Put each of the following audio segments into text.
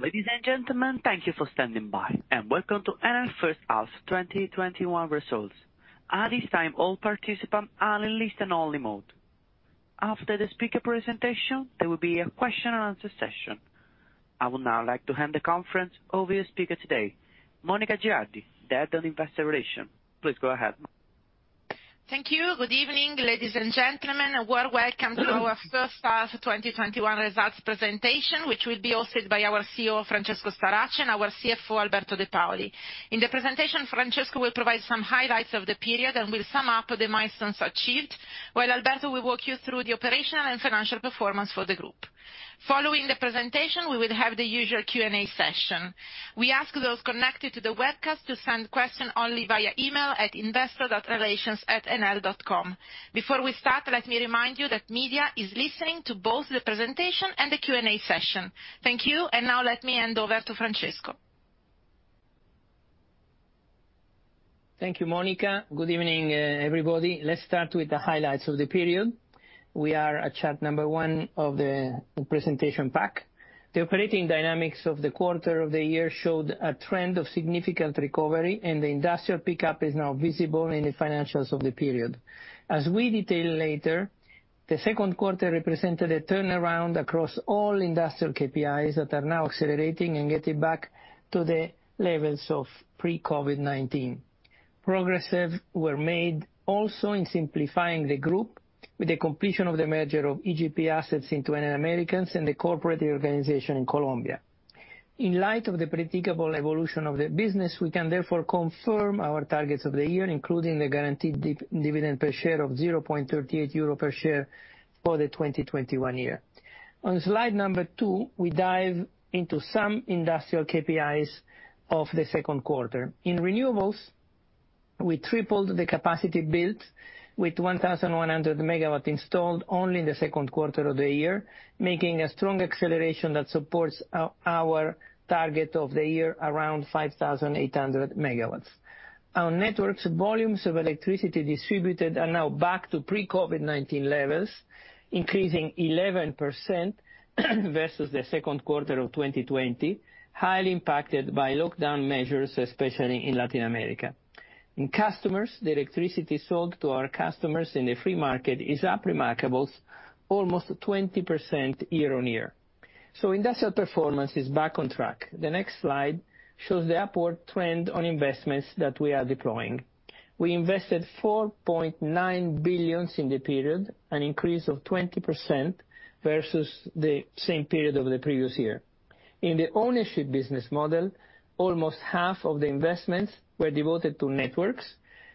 Ladies and gentlemen, thank you for standing by, and welcome to Enel First Half 2021 Results. I would now like to hand the conference over to the speaker today, Monica Girardi, Head of Investor Relations. Please go ahead. Thank you. Good evening, ladies and gentlemen. A warm welcome to our First Half 2021 Results presentation, which will be hosted by our CEO, Francesco Starace, and our CFO, Alberto De Paoli. In the presentation, Francesco will provide some highlights of the period and will sum up the milestones achieved, while Alberto will walk you through the operational and financial performance for the group. Following the presentation, we will have the usual Q&A session. We ask those connected to the webcast to send questions only via email at investor.relations@enel.com. Before we start, let me remind you that media is listening to both the presentation and the Q&A session. Thank you, and now let me hand over to Francesco. Thank you, Monica. Good evening, everybody. Let's start with the highlights of the period. We are at chart number one of the presentation pack. The operating dynamics of the quarter of the year showed a trend of significant recovery, and the industrial pickup is now visible in the financials of the period. As we detail later, the second quarter represented a turnaround across all industrial KPIs that are now accelerating and getting back to the levels of pre-COVID-19. Progressive were made also in simplifying the group with the completion of the merger of EGP assets into Enel Américas and the corporate organization in Colombia. In light of the predictable evolution of the business, we can therefore confirm our targets of the year, including the guaranteed dividend per share of 0.38 euro per share for the 2021 year. On slide number 2, we dive into some industrial KPIs of the second quarter. In renewables, we tripled the capacity built with 1,100 MW installed only in the second quarter of the year, making a strong acceleration that supports our target of the year, around 5,800 MW. On networks, volumes of electricity distributed are now back to pre-COVID-19 levels, increasing 11% versus the second quarter of 2020, highly impacted by lockdown measures, especially in Latin America. In customers, the electricity sold to our customers in the free market is up remarkable, almost 20% year-on-year. Industrial performance is back on track. The next slide shows the upward trend on investments that we are deploying. We invested 4.9 billion in the period, an increase of 20% versus the same period of the previous year. In the ownership business model, almost half of the investments were devoted to networks,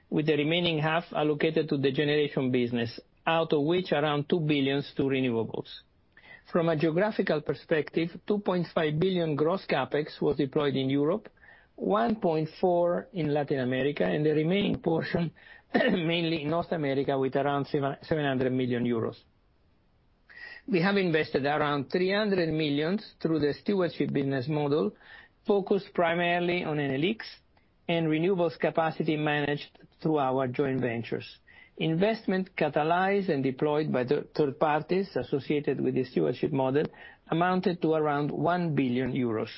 with the remaining half allocated to the generation business, out of which around 2 billion to renewables. From a geographical perspective, 2.5 billion gross CapEx was deployed in Europe, 1.4 billion in Latin America, and the remaining portion mainly in North America, with around 700 million euros. We have invested around 300 million through the stewardship business model, focused primarily on Enel X and renewables capacity managed through our joint ventures. Investment catalyzed and deployed by the third parties associated with the stewardship model amounted to around 1 billion euros.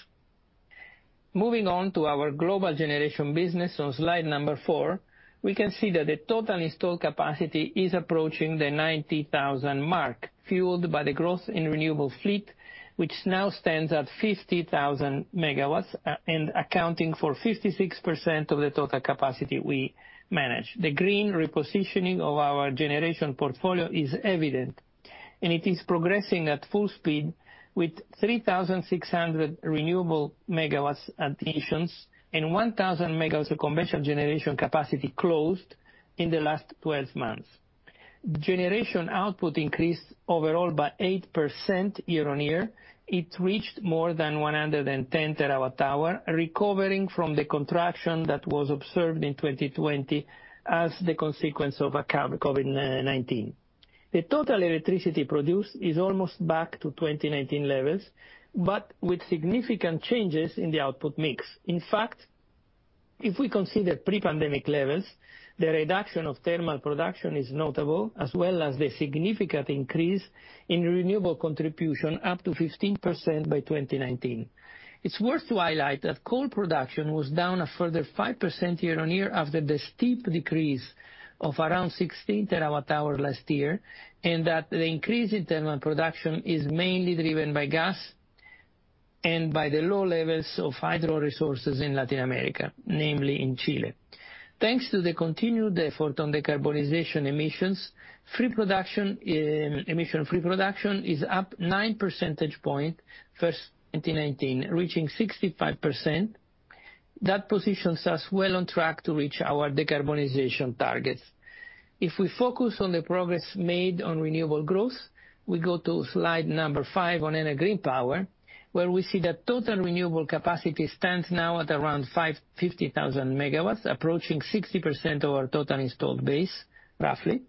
Moving on to our global generation business on slide number 4, we can see that the total installed capacity is approaching the 90,000 mark, fueled by the growth in renewable fleet, which now stands at 50,000 MW and accounting for 56% of the total capacity we manage. The green repositioning of our generation portfolio is evident, and it is progressing at full speed, with 3,600 renewable MW additions and 1,000 MW of conventional generation capacity closed in the last 12 months. Generation output increased overall by 8% year-on-year. It reached more than 110 TWh, recovering from the contraction that was observed in 2020 as the consequence of COVID-19. The total electricity produced is almost back to 2019 levels, but with significant changes in the output mix. In fact, if we consider pre-pandemic levels, the reduction of thermal production is notable, as well as the significant increase in renewable contribution up to 15% by 2019. It's worth to highlight that coal production was down a further 5% year-on-year after the steep decrease of around 16 TWh last year, and that the increase in thermal production is mainly driven by gas and by the low levels of hydro resources in Latin America, namely in Chile. Thanks to the continued effort on decarbonization emissions, emission-free production is up 9 percentage point versus 2019, reaching 65%. That positions us well on track to reach our decarbonization targets. If we focus on the progress made on renewable growth, we go to slide number 5 on Enel Green Power, where we see that total renewable capacity stands now at around 50,000 MW, approaching 60% of our total installed base, roughly.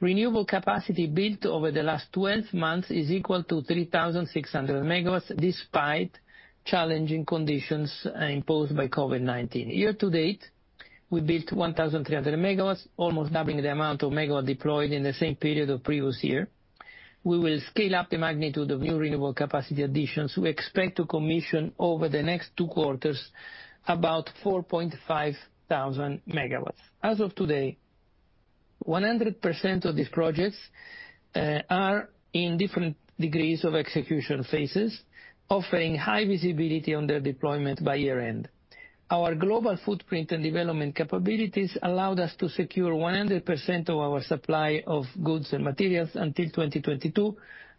Renewable capacity built over the last 12 months is equal to 3,600 MW, despite challenging conditions imposed by COVID-19. Year to date, we built 1,300 MW, almost doubling the amount of megawatt deployed in the same period of the previous year. We will scale up the magnitude of new renewable capacity additions. We expect to commission over the next two quarters, about 4,500 MW. As of today, 100% of these projects are in different degrees of execution phases, offering high visibility on their deployment by year-end. Our global footprint and development capabilities allowed us to secure 100% of our supply of goods and materials until 2022,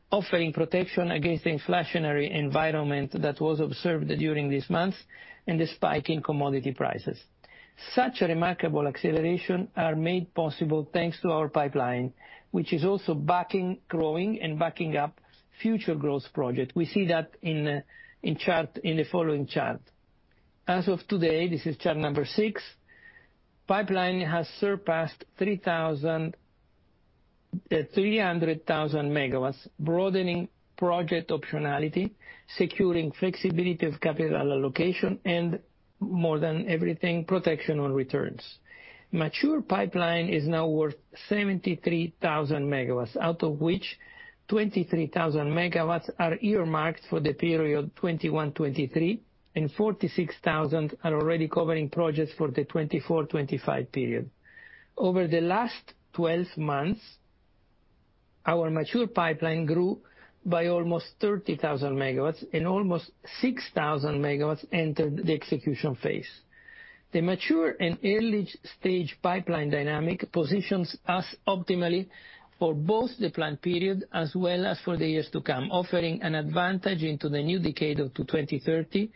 offering protection against the inflationary environment that was observed during these months, the spike in commodity prices. Such a remarkable acceleration is made possible, thanks to our pipeline, which is also backing up future growth projects. We see that in the following chart. As of today, this is chart number six, pipeline has surpassed 300,000 MW, broadening project optionality, securing flexibility of capital allocation, and more than everything, protection on returns. Mature pipeline is now worth 73,000 MW, out of which 23,000 MW are earmarked for the period 2021-2023, 46,000 are already covering projects for the 2024-2025 period. Over the last 12 months, our mature pipeline grew by almost 30,000 MW. Almost 6,000 MW entered the execution phase. The mature and early-stage pipeline dynamic positions us optimally for both the planned period, as well as for the years to come, offering an advantage into the new decade to 2030,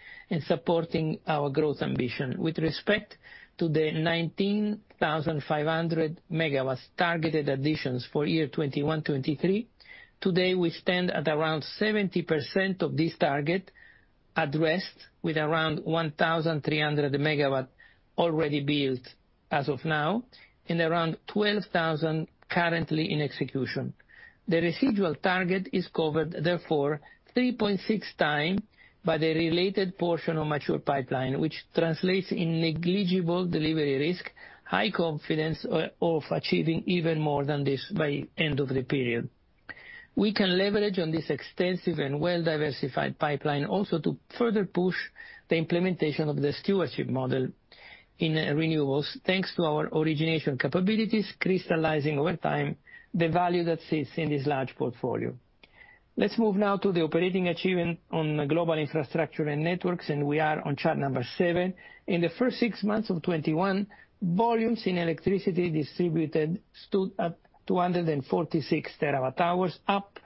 supporting our growth ambition. With respect to the 19,500 MW targeted additions for year 2021, 2023, today, we stand at around 70% of this target addressed with around 1,300 MW already built as of now, and around 12,000 currently in execution. The residual target is covered, therefore 3.6x by the related portion of mature pipeline, which translates in negligible delivery risk, high confidence of achieving even more than this by end of the period. We can leverage on this extensive and well-diversified pipeline also to further push the implementation of the stewardship model in renewables, thanks to our origination capabilities, crystallizing over time the value that sits in this large portfolio. Let's move now to the operating achievement on global infrastructure and networks, and we are on chart number seven. In the first six months of 2021, volumes in electricity distributed stood at 246 TWh up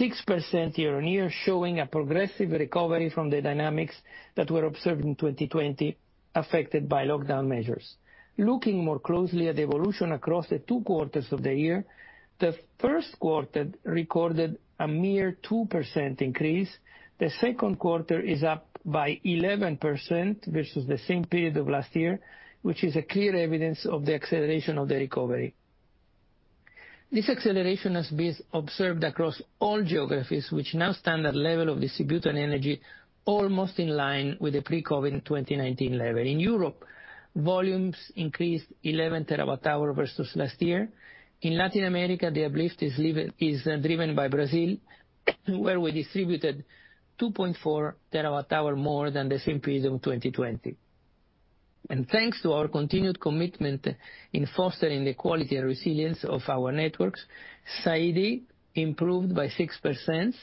6% year-on-year, showing a progressive recovery from the dynamics that were observed in 2020 affected by lockdown measures. Looking more closely at the evolution across the two quarters of the year, the first quarter recorded a mere 2% increase. The second quarter is up by 11% versus the same period of last year, which is a clear evidence of the acceleration of the recovery. This acceleration has been observed across all geographies, which now stand at level of distributed energy, almost in line with the pre-COVID-19 2019 level. In Europe, volumes increased 11 TWh versus last year. In Latin America, the uplift is driven by Brazil, where we distributed 2.4 TW more than the same period of 2020. Thanks to our continued commitment in fostering the quality and resilience of our networks, SAIDI improved by 6%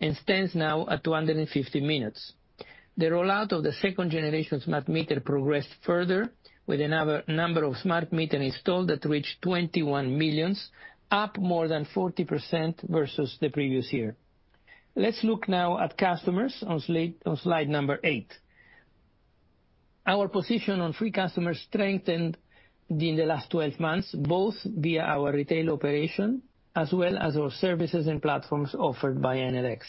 and stands now at 250 minutes. The rollout of the second-generation smart meter progressed further with a number of smart meter installed that reached 21 million, up more than 40% versus the previous year. Let's look now at customers on slide number 8. Our position on free customers strengthened in the last 12 months, both via our retail operation as well as our services and platforms offered by Enel X.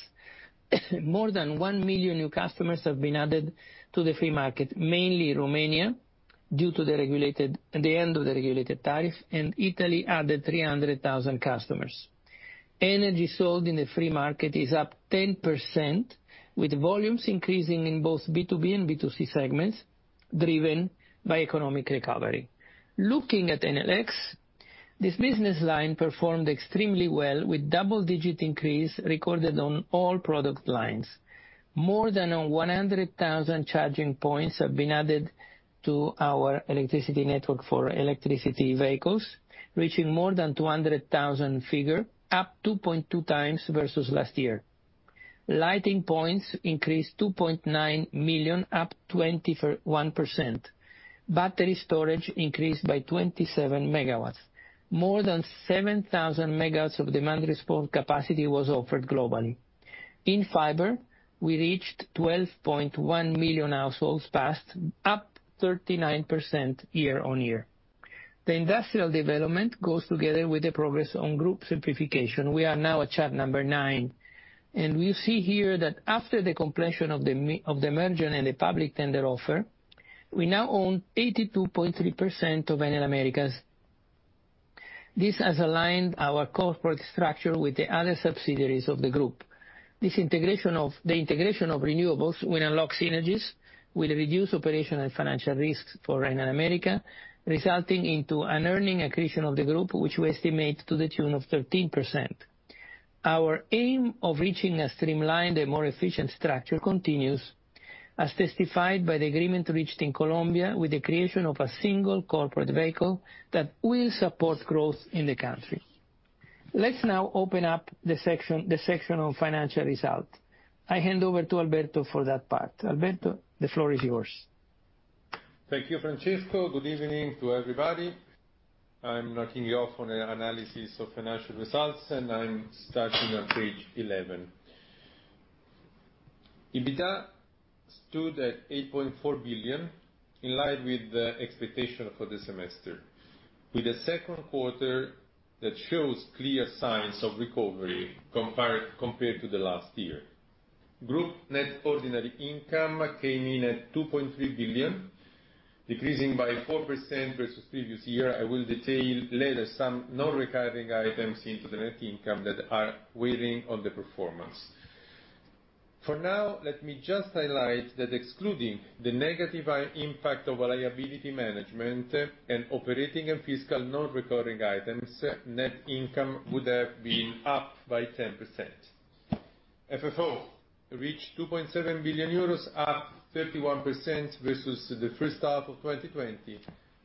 More than 1 million new customers have been added to the free market, mainly Romania, due to the end of the regulated tariff, and Italy added 300,000 customers. Energy sold in the free market is up 10%, with volumes increasing in both B2B and B2C segments, driven by economic recovery. Looking at Enel X, this business line performed extremely well with double-digit increase recorded on all product lines. More than 100,000 charging points have been added to our electricity network for electricity vehicles, reaching more than 200,000 figure, up 2.2x versus last year. Lighting points increased 2.9 million, up 21%. Battery storage increased by 27 MW. More than 7,000 MW of demand response capacity was offered globally. In fiber, we reached 12.1 million households passed, up 39% year-on-year. The industrial development goes together with the progress on group simplification. We are now at chart number 9, we see here that after the completion of the merger and the public tender offer, we now own 82.3% of Enel Américas. This has aligned our corporate structure with the other subsidiaries of the group. The integration of renewables will unlock synergies, will reduce operational and financial risks for Enel Américas, resulting into an earning accretion of the group, which we estimate to the tune of 13%. Our aim of reaching a streamlined and more efficient structure continues, as testified by the agreement reached in Colombia with the creation of a single corporate vehicle that will support growth in the country. Let's now open up the section on financial result. I hand over to Alberto for that part. Alberto, the floor is yours. Thank you, Francesco. Good evening to everybody. I'm knocking you off on the analysis of financial results, I'm starting on page 11. EBITDA stood at 8.4 billion, in line with the expectation for the semester, with the second quarter that shows clear signs of recovery compared to the last year. Group net ordinary income came in at 2.3 billion, decreasing by 4% versus previous year. I will detail later some non-recurring items into the net income that are waiting on the performance. For now, let me just highlight that excluding the negative impact of liability management and operating and fiscal non-recurring items, net income would have been up by 10%. FFO reached 2.7 billion euros, up 31% versus the first half of 2020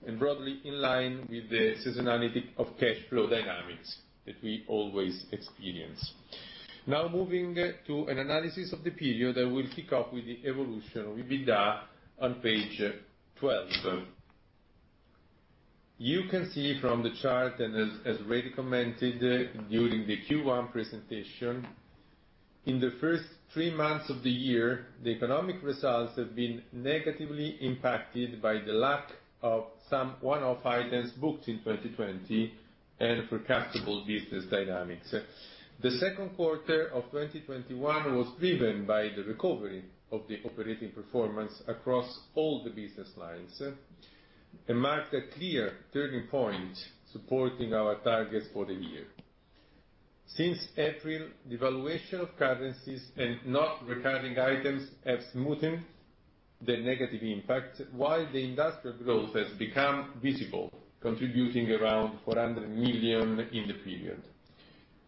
and broadly in line with the seasonality of cash flow dynamics that we always experience. Now moving to an analysis of the period, I will kick off with the evolution of EBITDA on page 12. You can see from the chart, and as already commented during the Q1 presentation, in the first three months of the year, the economic results have been negatively impacted by the lack of some one-off items booked in 2020 and forecastable business dynamics. The second quarter of 2021 was driven by the recovery of the operating performance across all the business lines and marked a clear turning point supporting our targets for the year. Since April, devaluation of currencies and non-recurring items have smoothened the negative impact, while the industrial growth has become visible, contributing around 400 million in the period.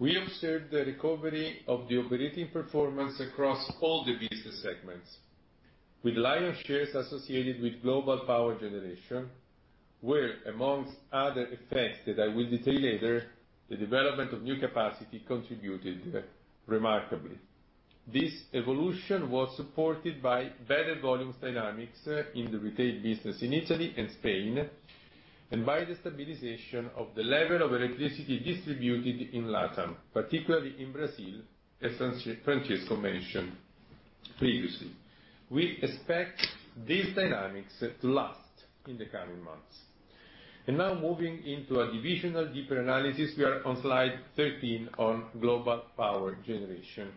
We observed the recovery of the operating performance across all the business segments, with lion's shares associated with global power generation, where, amongst other effects that I will detail later, the development of new capacity contributed remarkably. This evolution was supported by better volumes dynamics in the retail business in Italy and Spain, and by the stabilization of the level of electricity distributed in Latam, particularly in Brazil, as Francesco mentioned previously. We expect these dynamics to last in the coming months. Now moving into a divisional deeper analysis, we are on slide 13 on global power generation.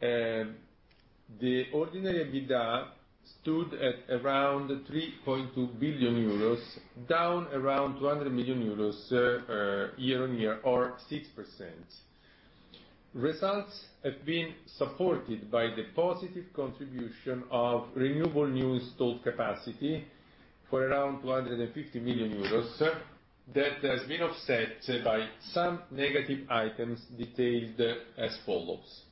The ordinary EBITDA stood at around 3.2 billion euros, down around 200 million euros year-on-year or 6%. Results have been supported by the positive contribution of renewable new installed capacity for around 250 million euros that has been offset by some negative items detailed as follows.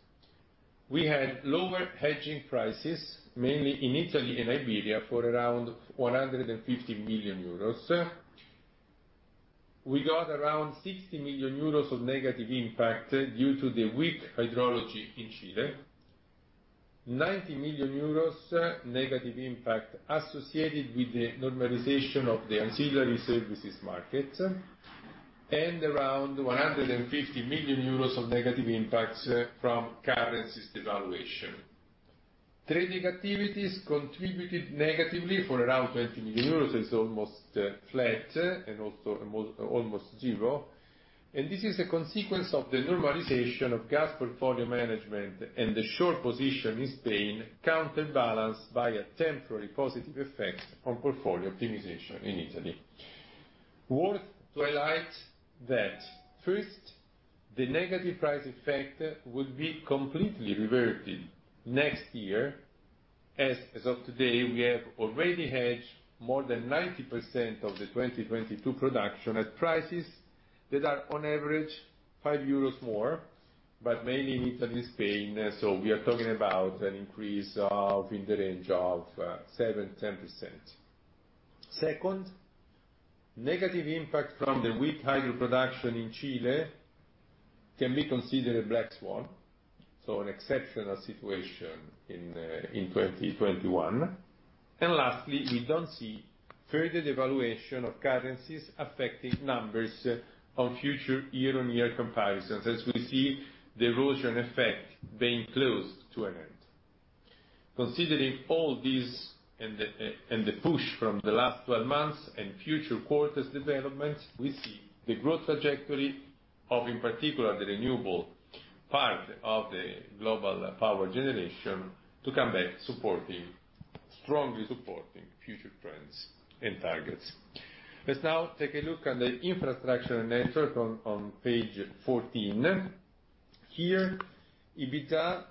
We had lower hedging prices, mainly in Italy and Iberia for around 150 million euros. We got around 60 million euros of negative impact due to the weak hydrology in Chile, 90 million euros negative impact associated with the normalization of the ancillary services market, and around 150 million euros of negative impacts from currencies devaluation. Trading activities contributed negatively for around 20 million euros, it is almost flat and also almost zero. This is a consequence of the normalization of gas portfolio management and the short position in Spain, counterbalanced by a temporary positive effect on portfolio optimization in Italy. Worth to highlight that first, the negative price effect would be completely reverted next year, as of today, we have already hedged more than 90% of the 2022 production at prices that are on average 5 euros more, but mainly in Italy and Spain, so we are talking about an increase in the range of 7%-10%. Second, negative impact from the weak hydro production in Chile can be considered a black swan, so an exceptional situation in 2021. Lastly, we don't see further devaluation of currencies affecting numbers of future year-on-year comparisons, as we see the erosion effect being close to an end. Considering all these and the push from the last 12 months and future quarters developments, we see the growth trajectory of, in particular, the renewable part of the global power generation to come back strongly supporting future trends and targets. Let's now take a look at the infrastructure network on page 14. Here, EBITDA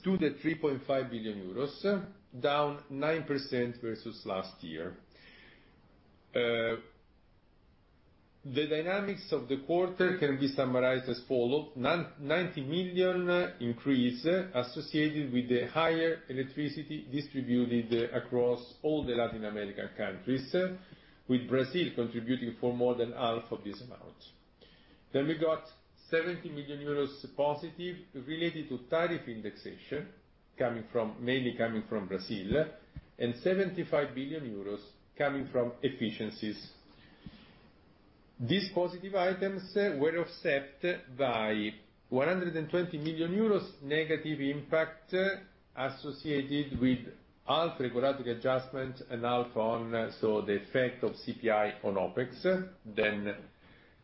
stood at 3.5 billion euros, down 9% versus last year. The dynamics of the quarter can be summarized as follows: 90 million increase associated with the higher electricity distributed across all the Latin American countries, with Brazil contributing for more than half of this amount. We got 70 million euros positive related to tariff indexation, mainly coming from Brazil, and 75 billion euros coming from efficiencies. These positive items were offset by 120 million euros negative impact associated with half regulatory adjustment and half on the effect of CPI on OpEx.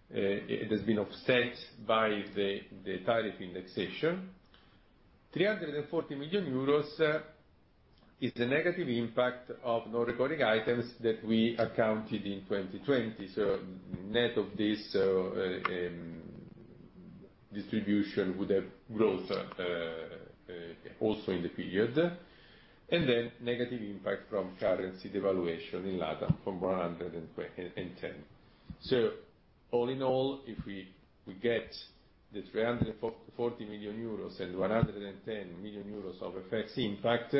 It has been offset by the tariff indexation. 340 million euros is the negative impact of non-recurring items that we accounted in 2020. Net of this, distribution would have growth also in the period. Negative impact from currency devaluation in LATAM from 110. All in all, if we get the 340 million euros and 110 million euros of FX impact,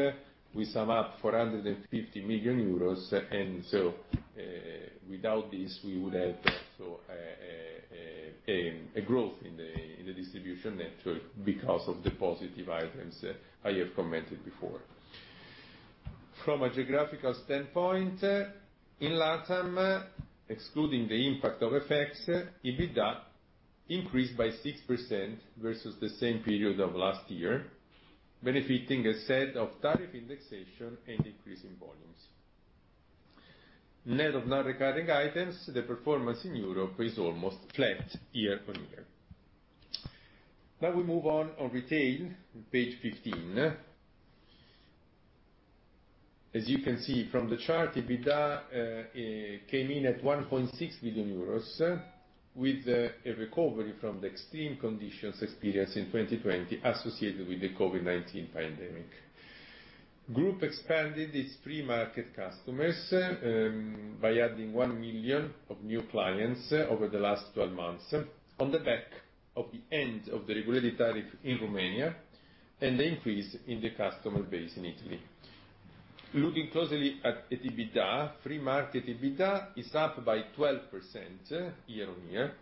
we sum up 450 million euros, without this, we would have also a growth in the distribution network because of the positive items I have commented before. From a geographical standpoint, in LATAM, excluding the impact of FX, EBITDA increased by 6% versus the same period of last year, benefiting a set of tariff indexation and increase in volumes. Net of non-recurring items, the performance in Europe is almost flat year-on-year. We move on retail, page 15. As you can see from the chart, EBITDA came in at 1.6 billion euros, with a recovery from the extreme conditions experienced in 2020 associated with the COVID-19 pandemic. Group expanded its free market customers, by adding 1 million of new clients over the last 12 months on the back of the end of the regulatory tariff in Romania and the increase in the customer base in Italy. Looking closely at EBITDA, free market EBITDA is up by 12% year-on-year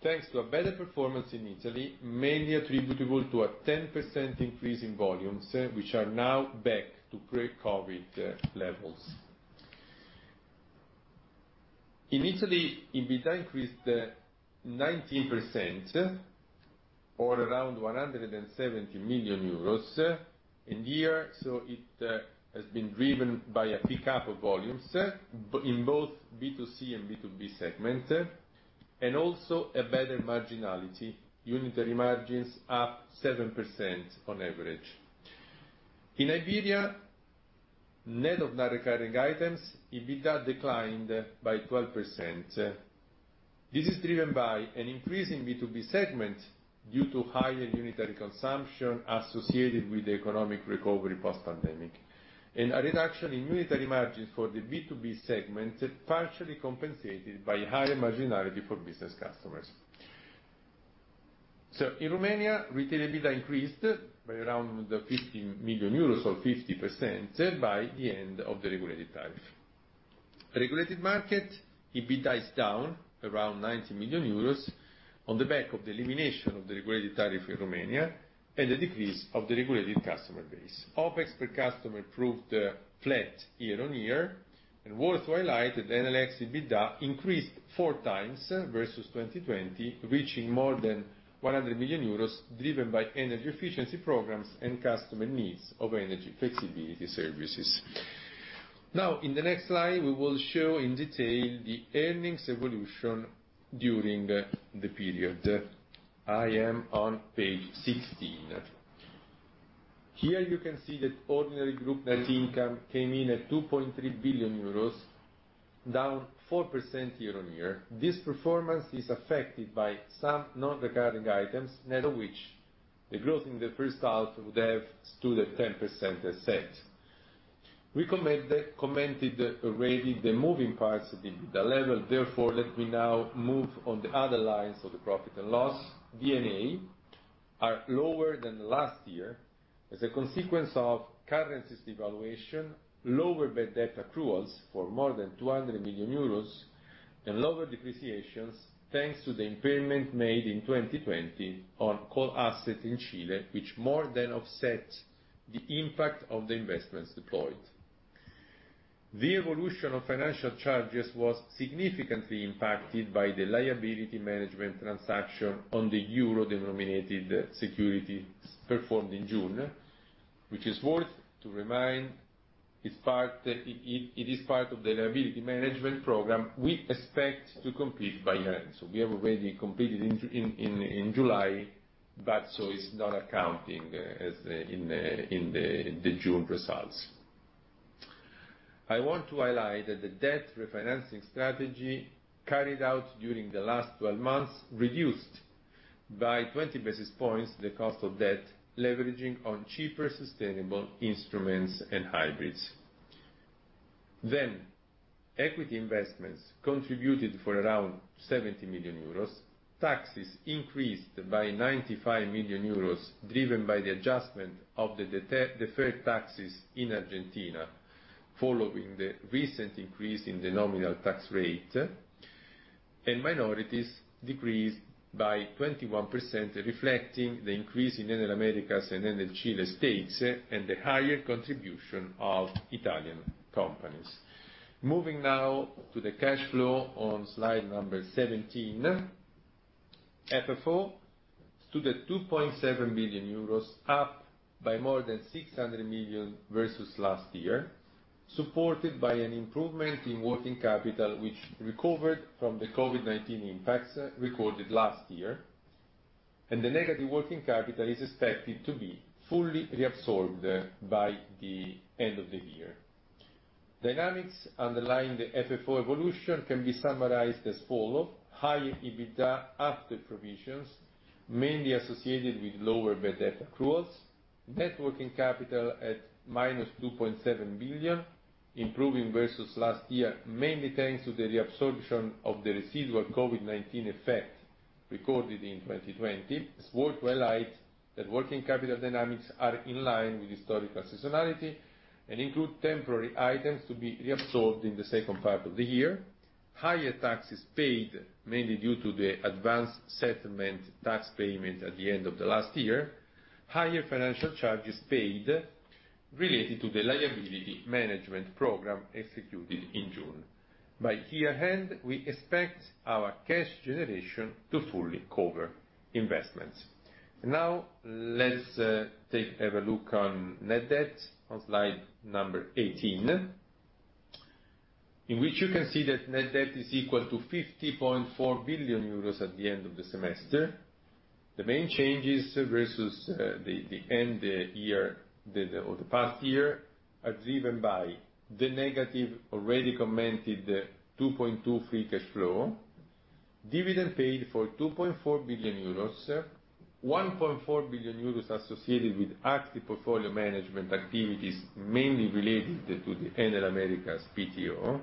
thanks to a better performance in Italy, mainly attributable to a 10% increase in volumes, which are now back to pre-COVID-19 levels. In Italy, EBITDA increased 19%, or around 170 million euros in year. It has been driven by a pickup of volumes, but in both B2C and B2B segment, and also a better marginality. Unitary margins up 7% on average. In Iberia, net of non-recurring items, EBITDA declined by 12%. This is driven by an increase in B2B segment due to higher unitary consumption associated with the economic recovery post pandemic, and a reduction in unitary margins for the B2B segment, partially compensated by higher marginality for business customers. In Romania, retail EBITDA increased by around the 50 million euros or 50% by the end of the regulated tariff. Regulated market, EBITDA is down around 90 million euros on the back of the elimination of the regulated tariff in Romania and the decrease of the regulated customer base. OpEx per customer proved flat year-over-year and worth highlighting that Enel X EBITDA increased 4x versus 2020, reaching more than 100 million euros, driven by energy efficiency programs and customer needs of energy flexibility services. In the next slide, we will show in detail the earnings evolution during the period. I am on page 16. Here you can see that ordinary group net income came in at €2.3 billion, down 4% year-on-year. This performance is affected by some non-recurring items, net of which the growth in the first half would have stood at 10% as said. We commented already the moving parts of the EBITDA level, therefore, let me now move on the other lines of the profit and loss. D&A are lower than the last year as a consequence of currencies devaluation, lower bad debt accruals for more than €200 million and lower depreciations thanks to the impairment made in 2020 on core asset in Chile, which more than offset the impact of the investments deployed. The evolution of financial charges was significantly impacted by the liability management transaction on the euro-denominated securities performed in June, which is worth to remind it is part of the liability management program we expect to complete by year end. We have already completed in July. It's not accounting in the June results. I want to highlight that the debt refinancing strategy carried out during the last 12 months reduced by 20 basis points the cost of debt leveraging on cheaper sustainable instruments and hybrids. Equity investments contributed for around 70 million euros. Taxes increased by 95 million euros, driven by the adjustment of the deferred taxes in Argentina following the recent increase in the nominal tax rate, and minorities decreased by 21%, reflecting the increase in Enel Américas and Enel Chile stakes, and the higher contribution of Italian companies. Moving now to the cash flow on slide number 17. FFO stood at 2.7 billion euros, up by more than 600 million versus last year, supported by an improvement in working capital, which recovered from the COVID-19 impacts recorded last year. The negative working capital is expected to be fully reabsorbed by the end of the year. Dynamics underlying the FFO evolution can be summarized as follow: higher EBITDA after provisions, mainly associated with lower bad debt accruals, net working capital at minus 2.7 billion, improving versus last year, mainly thanks to the reabsorption of the residual COVID-19 effect recorded in 2020. It's worth to highlight that working capital dynamics are in line with historical seasonality and include temporary items to be reabsorbed in the second part of the year. Higher taxes paid mainly due to the advanced settlement tax payment at the end of the last year. Higher financial charges paid related to the liability management program executed in June. By year-end, we expect our cash generation to fully cover investments. Now, let's have a look on net debt on slide 18, in which you can see that net debt is equal to €50.4 billion at the end of the semester. The main changes versus the past year are driven by the negative, already commented, 2.2 free cash flow, dividend paid for €2.4 billion, €1.4 billion associated with active portfolio management activities, mainly related to the Enel Américas PTO,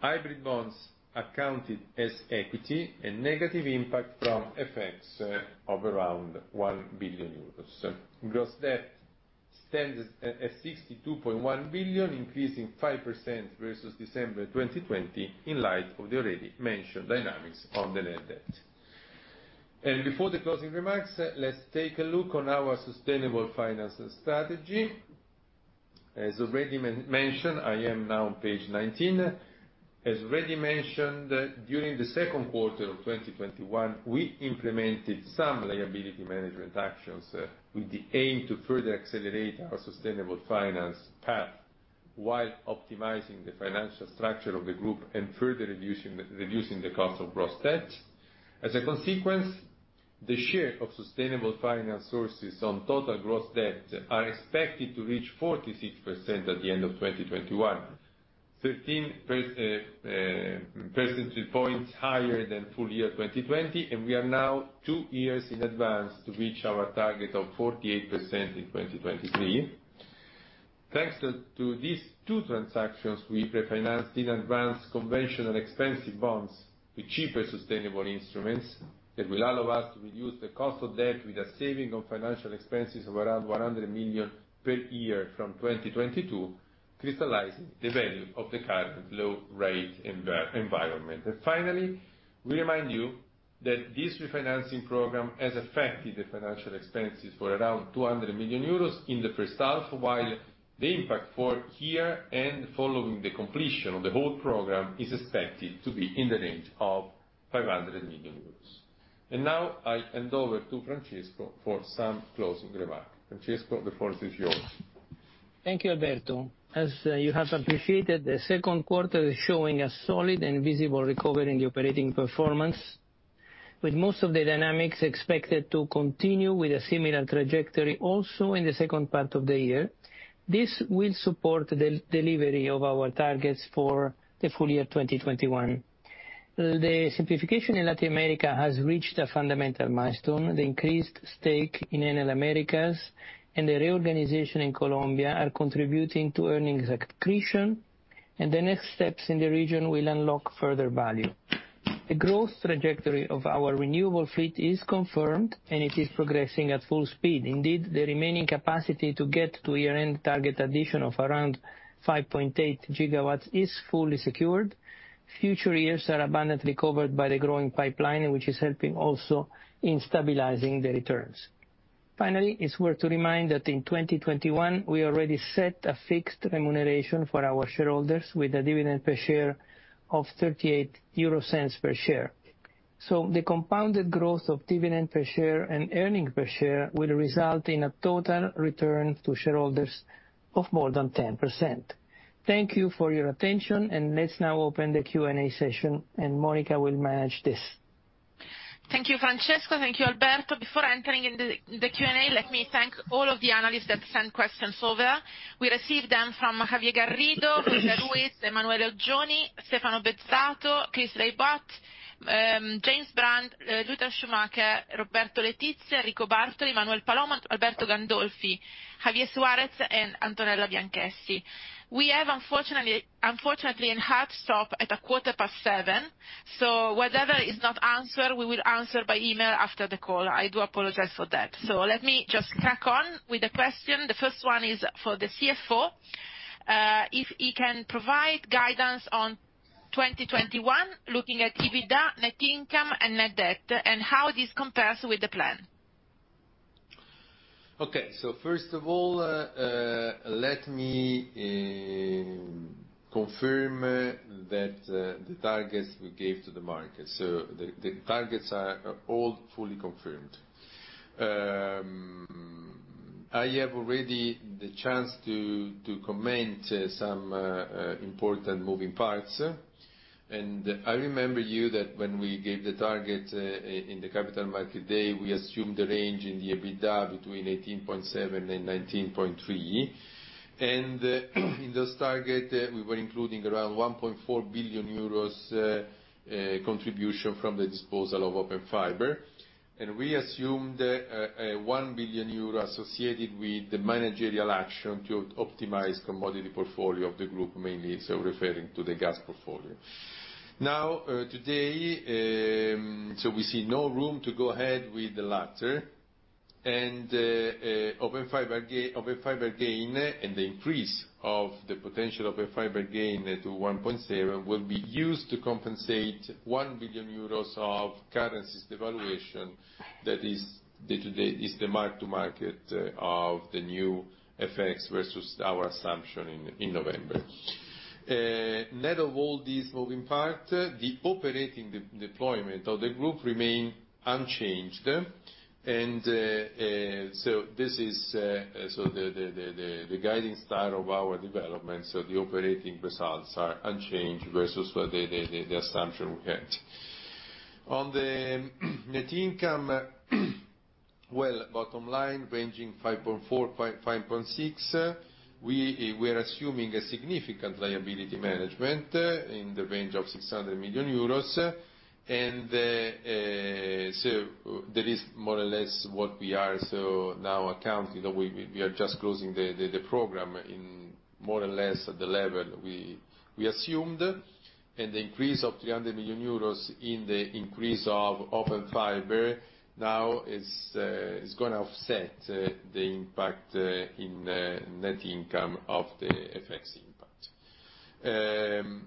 hybrid bonds accounted as equity, and negative impact from FX of around €1 billion. Gross debt stands at 62.1 billion, increasing 5% versus December 2020, in light of the already mentioned dynamics on the net debt. Before the closing remarks, let's take a look on our sustainable finance strategy. As already mentioned, I am now on page 19. As already mentioned, during the second quarter of 2021, we implemented some liability management actions with the aim to further accelerate our sustainable finance path while optimizing the financial structure of the group and further reducing the cost of gross debt. As a consequence, the share of sustainable finance sources on total gross debt are expected to reach 46% at the end of 2021, 13 percentage points higher than full year 2020, and we are now two years in advance to reach our target of 48% in 2023. Thanks to these two ransactions, we refinanced in advance conventional expensive bonds with cheaper sustainable instruments that will allow us to reduce the cost of debt with a saving on financial expenses of around 100 million per year from 2022, crystallizing the value of the current low-rate environment. Finally, we remind you that this refinancing program has affected the financial expenses for around 200 million euros in the first half, while the impact for here and following the completion of the whole program is expected to be in the range of 500 million euros. Now I hand over to Francesco for some closing remarks. Francesco, the floor is yours. Thank you, Alberto. As you have appreciated, the second quarter is showing a solid and visible recovery in the operating performance, with most of the dynamics expected to continue with a similar trajectory also in the second part of the year. This will support the delivery of our targets for the full year 2021. The simplification in Latin America has reached a fundamental milestone. The increased stake in Enel Américas and the reorganization in Colombia are contributing to earnings accretion, and the next steps in the region will unlock further value. The growth trajectory of our renewable fleet is confirmed, and it is progressing at full speed. Indeed, the remaining capacity to get to year-end target addition of around 5.8 GW is fully secured. Future years are abundantly covered by the growing pipeline, which is helping also in stabilizing the returns. Finally, it's worth to remind that in 2021, we already set a fixed remuneration for our shareholders with a dividend per share of 0.38 per share. The compounded growth of dividend per share and earnings per share will result in a total return to shareholders of more than 10%. Thank you for your attention, and let's now open the Q&A session, and Monica will manage this. Thank you, Francesco. Thank you, Alberto. Before entering in the Q&A, let me thank all of the analysts that sent questions over. We received them from Javier Garrido, Linda Lewis, Emanuele Oggioni, Stefano Bezzato, Chris Raybot, James Brand, Lueder Schumacher, Roberto Letizia, Enrico Bartoli, Manuel Palomo, Alberto Gandolfi, Javier Suarez, and Antonella Bianchessi. We have, unfortunately, an hard stop at 7:15 P.M. Whatever is not answered, we will answer by email after the call. I do apologize for that. Let me just crack on with the question. The first one is for the CFO, if he can provide guidance on 2021, looking at EBITDA, net income and net debt and how this compares with the plan. Okay. First of all, let me confirm that the targets we gave to the market. The targets are all fully confirmed. I have already the chance to comment some important moving parts. I remember you that when we gave the target in the capital market day, we assumed a range in the EBITDA between 18.7 and 19.3. In this target, we were including around 1.4 billion euros contribution from the disposal of Open Fiber. We assumed 1 billion euro associated with the managerial action to optimize commodity portfolio of the group, mainly referring to the gas portfolio. Now, today, we see no room to go ahead with the latter, and Open Fiber gain and the increase of the potential Open Fiber gain to 1.7 will be used to compensate 1 billion euros of currency devaluation. That is, day-to-day is the mark to market of the new FX versus our assumption in November. Net of all these moving parts, the operating deployment of the group remain unchanged. The guiding star of our development, so the operating results are unchanged versus the assumption we had. On the net income, well, bottom line ranging 5.4-5.6, we are assuming a significant liability management in the range of 600 million euros. That is more or less what we are. Now accounting, we are just closing the program in more or less the level we assumed and the increase of 300 million euros in the increase of Open Fiber now is going to offset the impact in net income of the FX impact.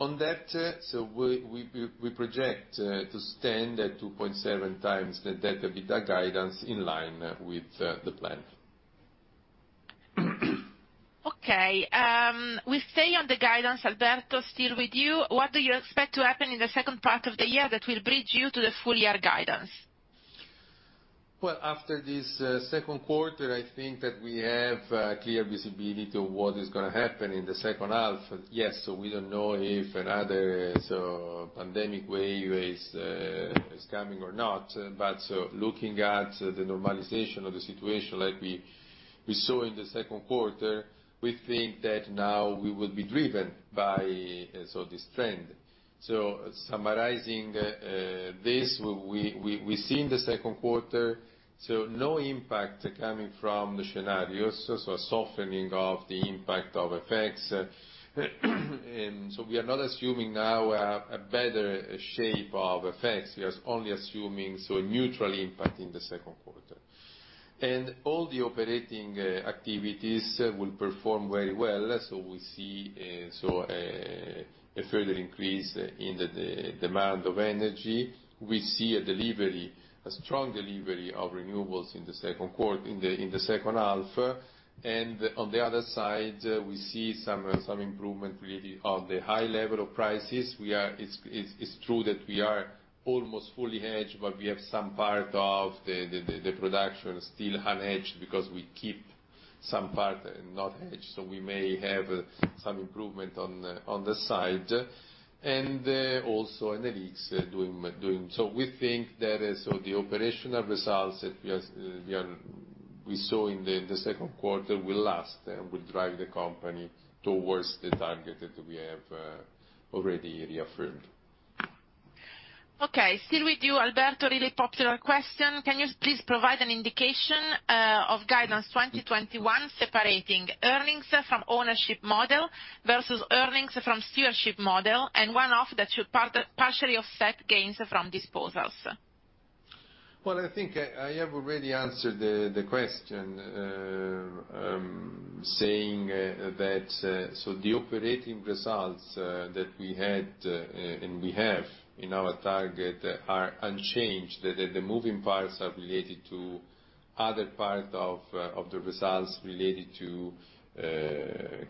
On that, we project to stand at 2.7x the debt to EBITDA guidance in line with the plan. Okay. We stay on the guidance, Alberto, still with you. What do you expect to happen in the second part of the year that will bridge you to the full year guidance? Well, after this second quarter, I think that we have clear visibility of what is going to happen in the second half. Yes, we don't know if another pandemic wave is coming or not, but looking at the normalization of the situation like we saw in the second quarter, we think that now we will be driven by this trend. Summarizing this, we see in the second quarter, no impact coming from the scenarios. A softening of the impact of FX. We are not assuming now a better shape of FX. We are only assuming neutral impact in the second quarter. All the operating activities will perform very well. We see a further increase in the demand of energy. We see a strong delivery of renewables in the second half. On the other side, we see some improvement really on the high level of prices. It's true that we are almost fully hedged, but we have some part of the production still unhedged because we keep some part not hedged, so we may have some improvement on the side, also Enel X doing. We think that the operational results that we saw in the second quarter will last and will drive the company towards the target that we have already reaffirmed. Okay, still with you, Alberto. Really popular question. Can you please provide an indication of guidance 2021 separating earnings from ownership model versus earnings from stewardship model and one-off that should partially offset gains from disposals? I think I have already answered the question, saying that the operating results that we had and we have in our target are unchanged. The moving parts are related to other part of the results related to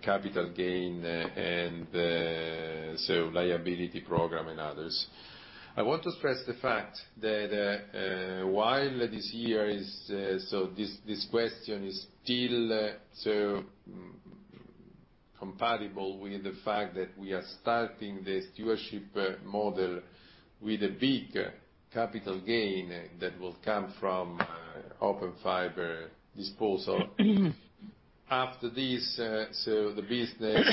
capital gain and liability program and others. I want to stress the fact that this question is still compatible with the fact that we are starting the stewardship model with a big capital gain that will come from Open Fiber disposal. After this, the business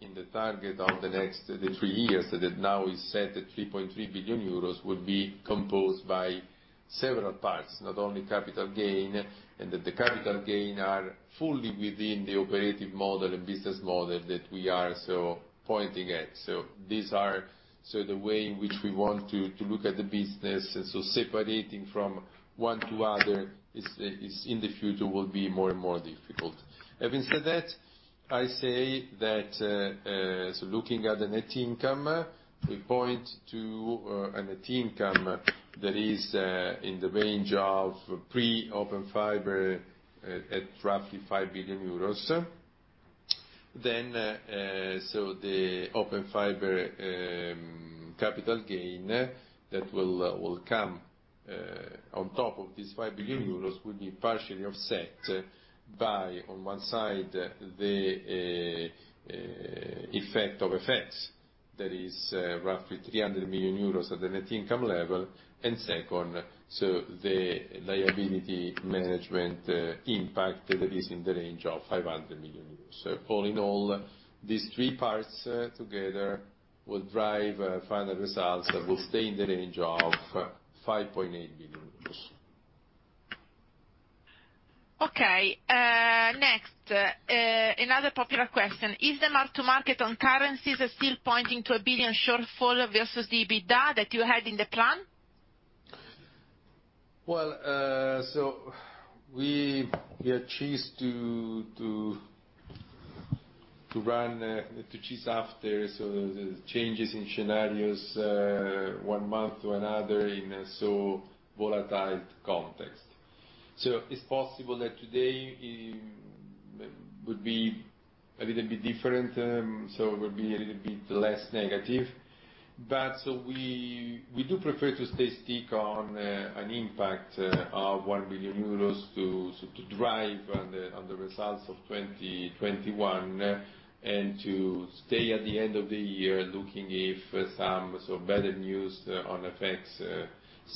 in the target of the next three years that now is set at 3.3 billion euros, would be composed by several parts, not only capital gain, and that the capital gain are fully within the operative model and business model that we are so pointing at. These are the way in which we want to look at the business. Separating from one to other, in the future, will be more and more difficult. Having said that, I say that, looking at the net income, we point to a net income that is in the range of pre Open Fiber at roughly EUR 5 billion. The Open Fiber capital gain that will come on top of this 5 billion euros would be partially offset by, on one side, the effect of effects, that is roughly 300 million euros at the net income level. Second, the liability management impact that is in the range of 500 million euros. All in all, these three parts together will drive final results that will stay in the range of 5.8 billion euros. Okay. Next, another popular question. Is the mark to market on currencies still pointing to a 1 billion shortfall versus the EBITDA that you had in the plan? We are chased to chase after the changes in scenarios one month to another in a so volatile context. It's possible that today would be a little bit different, so would be a little bit less negative. We do prefer to stick on an impact of 1 billion euros to drive on the results of 2021 and to stay at the end of the year, looking if some better news on FX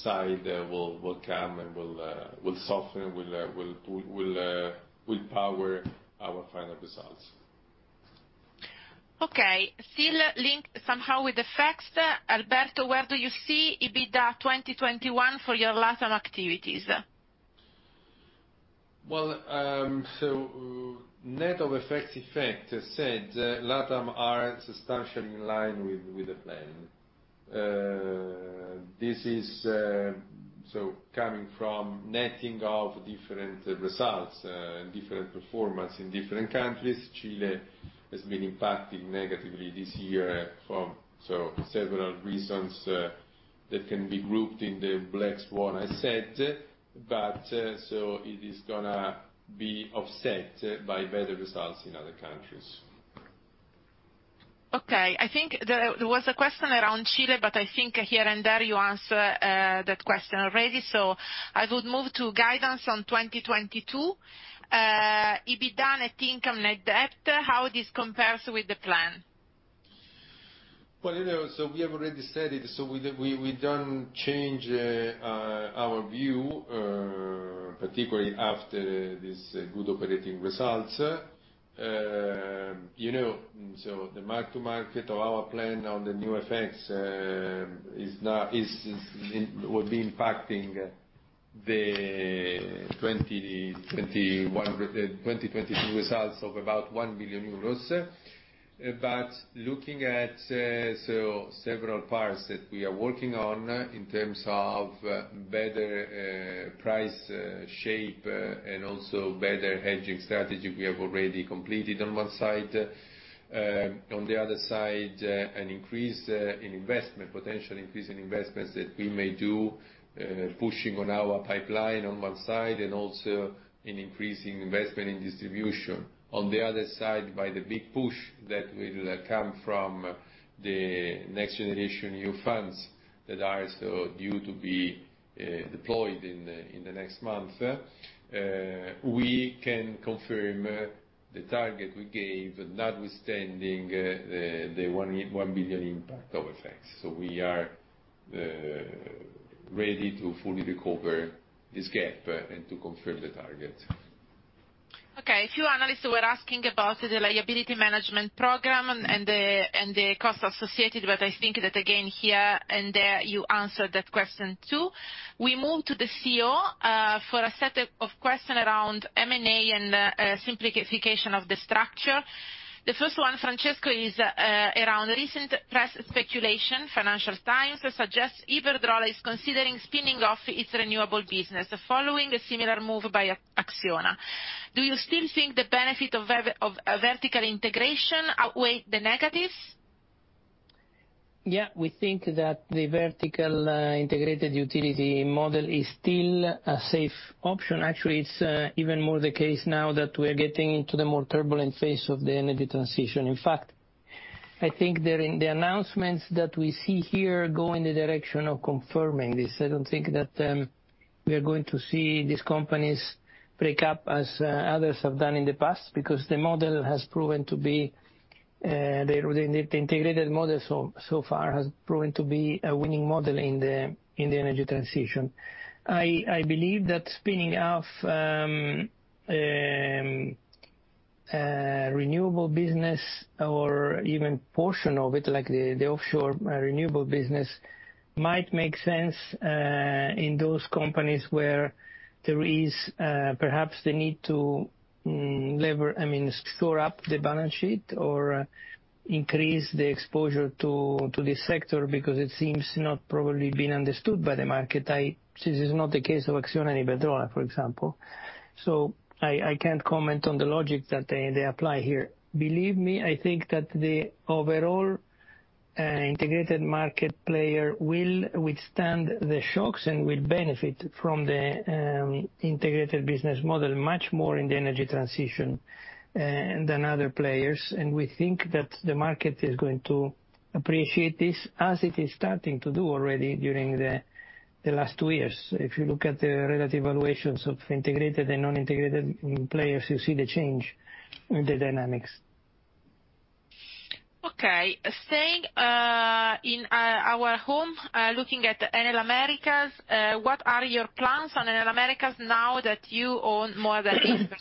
side will come and will soften, will power our final results. Okay. Still linked somehow with the facts, Alberto, where do you see EBITDA 2021 for your LatAm activities? Well, net of effects said, LatAm are substantially in line with the plan. This is coming from netting of different results, different performance in different countries. Chile has been impacting negatively this year from several reasons that can be grouped in the black swan, I said. It is going to be offset by better results in other countries. Okay. There was a question around Chile. I think here and there you answered that question already. I would move to guidance on 2022. EBITDA net income net debt, how this compares with the plan? We have already said it. We don't change our view, particularly after this good operating results. The mark to market of our plan on the new FX would be impacting the 2022 results of about 1 billion euros. Looking at several parts that we are working on in terms of better price shape and also better hedging strategy, we have already completed on one side. On the other side, an increase in investment, potential increase in investments that we may do, pushing on our pipeline on one side, and also in increasing investment in distribution. On the other side, by the big push that will come from the NextGenerationEU funds that are due to be deployed in the next month. We can confirm the target we gave, notwithstanding the 1 billion impact of FX. We are ready to fully recover this gap and to confirm the target. Okay. A few analysts were asking about the liability management program and the cost associated, but I think that again, here and there, you answered that question, too. We move to the CEO for a set of question around M&A and simplification of the structure. The first one, Francesco, is around recent press speculation. Financial Times suggests Iberdrola is considering spinning off its renewable business following a similar move by Acciona. Do you still think the benefit of vertical integration outweigh the negatives? We think that the vertical integrated utility model is still a safe option. Actually, it's even more the case now that we're getting into the more turbulent phase of the energy transition. In fact I think the announcements that we see here go in the direction of confirming this. I don't think that we are going to see these companies break up as others have done in the past, because the integrated model so far has proven to be a winning model in the energy transition. I believe that spinning off a renewable business or even a portion of it, like the offshore renewable business, might make sense in those companies where there is perhaps the need to shore up the balance sheet or increase the exposure to this sector because it seems not probably been understood by the market. This is not the case of Acciona and Iberdrola, for example. I can't comment on the logic that they apply here. Believe me, I think that the overall integrated market player will withstand the shocks and will benefit from the integrated business model much more in the energy transition than other players, and we think that the market is going to appreciate this, as it is starting to do already during the last two years. If you look at the relative valuations of integrated and non-integrated players, you see the change in the dynamics. Okay. Staying in our home, looking at Enel Américas, what are your plans on Enel Américas now that you own more than 80%?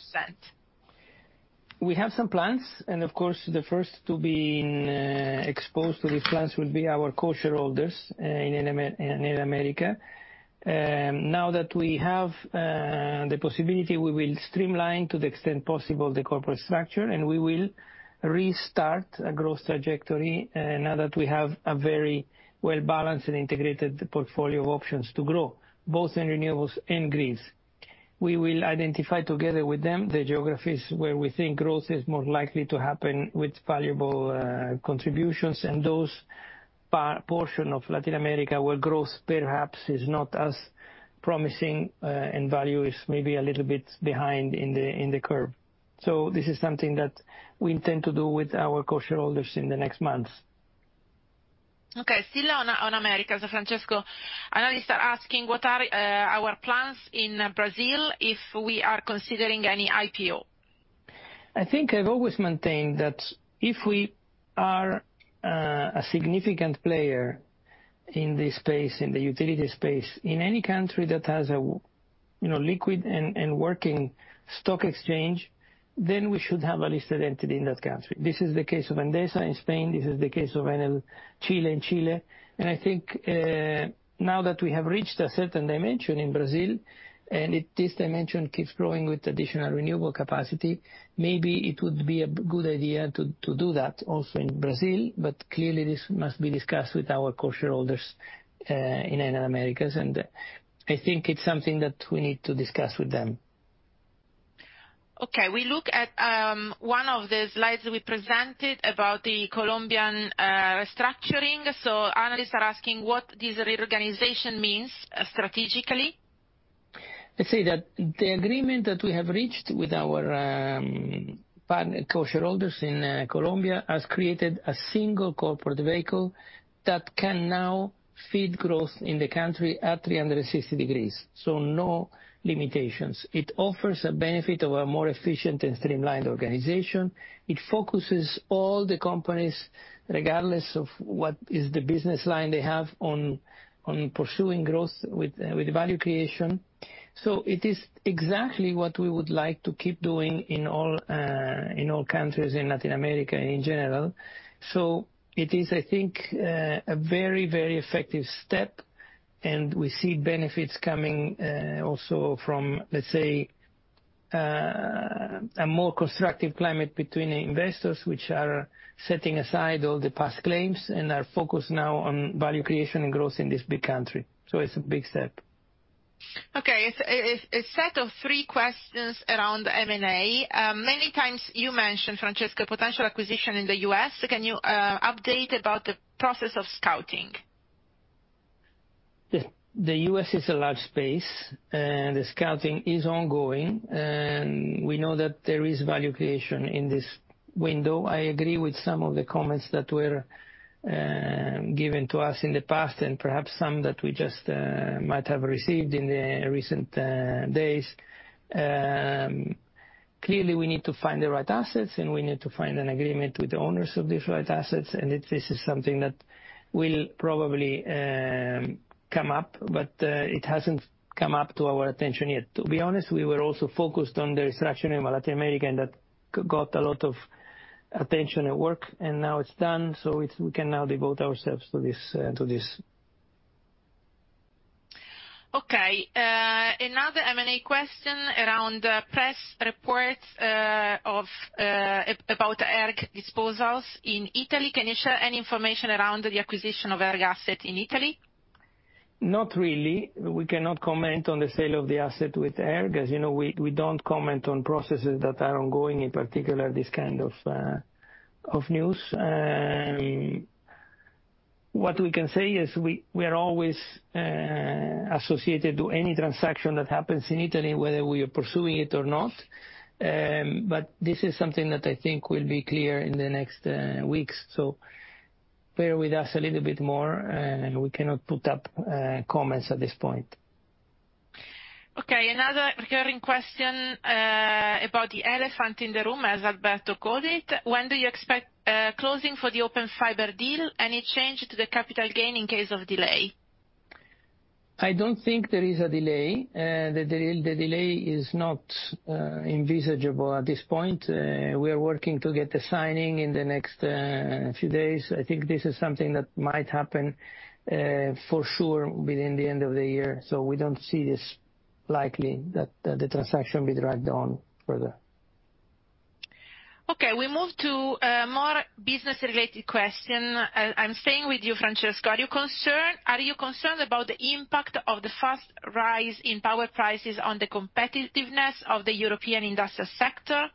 We have some plans, of course, the first to be exposed to these plans will be our co-shareholders in Enel Américas. Now that we have the possibility, we will streamline, to the extent possible, the corporate structure, and we will restart a growth trajectory now that we have a very well-balanced and integrated portfolio of options to grow, both in renewables and grids. We will identify together with them the geographies where we think growth is more likely to happen with valuable contributions and those portion of Latin America where growth perhaps is not as promising and value is maybe a little bit behind in the curve. This is something that we intend to do with our co-shareholders in the next months. Okay, still on Américas, Francesco. Analysts are asking what are our plans in Brazil, if we are considering any IPO? I think I've always maintained that if we are a significant player in the utility space in any country that has a liquid and working stock exchange, then we should have a listed entity in that country. This is the case of Endesa in Spain. This is the case of Enel Chile in Chile. I think now that we have reached a certain dimension in Brazil, and this dimension keeps growing with additional renewable capacity, maybe it would be a good idea to do that also in Brazil, but clearly, this must be discussed with our co-shareholders in Enel Américas, and I think it's something that we need to discuss with them. Okay. We look at one of the slides we presented about the Colombian restructuring. Analysts are asking what this reorganization means strategically. Let's say that the agreement that we have reached with our co-shareholders in Colombia has created a single corporate vehicle that can now feed growth in the country at 360 degrees. No limitations. It offers a benefit of a more efficient and streamlined organization. It focuses all the companies, regardless of what is the business line they have, on pursuing growth with value creation. It is exactly what we would like to keep doing in all countries in Latin America and in general. It is, I think, a very effective step, and we see benefits coming also from, let's say, a more constructive climate between investors, which are setting aside all the past claims and are focused now on value creation and growth in this big country. It's a big step. Okay. A set of three questions around M&A. Many times you mentioned, Francesco, potential acquisition in the U.S. Can you update about the process of scouting? The U.S. is a large space, and the scouting is ongoing. We know that there is value creation in this window. I agree with some of the comments that were given to us in the past and perhaps some that we just might have received in the recent days. Clearly, we need to find the right assets, and we need to find an agreement with the owners of these right assets, and this is something that will probably come up, but it hasn't come up to our attention yet. To be honest, we were also focused on the restructuring in Latin America, and that got a lot of attention and work, and now it's done, so we can now devote ourselves to this. Okay. Another M&A question around press reports about ERG disposals in Italy. Can you share any information around the acquisition of ERG asset in Italy? Not really. We cannot comment on the sale of the asset with ERG. As you know, we don't comment on processes that are ongoing, in particular this kind of news. What we can say is we are always associated to any transaction that happens in Italy, whether we are pursuing it or not. This is something that I think will be clear in the next weeks. Bear with us a little bit more, and we cannot put up comments at this point. Okay, another recurring question about the elephant in the room, as Alberto called it. When do you expect closing for the Open Fiber deal? Any change to the capital gain in case of delay? I don't think there is a delay. The delay is not envisageable at this point. We are working to get the signing in the next few days. I think this is something that might happen for sure within the end of the year. We don't see this likely that the transaction be dragged on further. Okay. We move to a more business-related question. I'm staying with you, Francesco. Are you concerned about the impact of the fast rise in power prices on the competitiveness of the European industrial sector?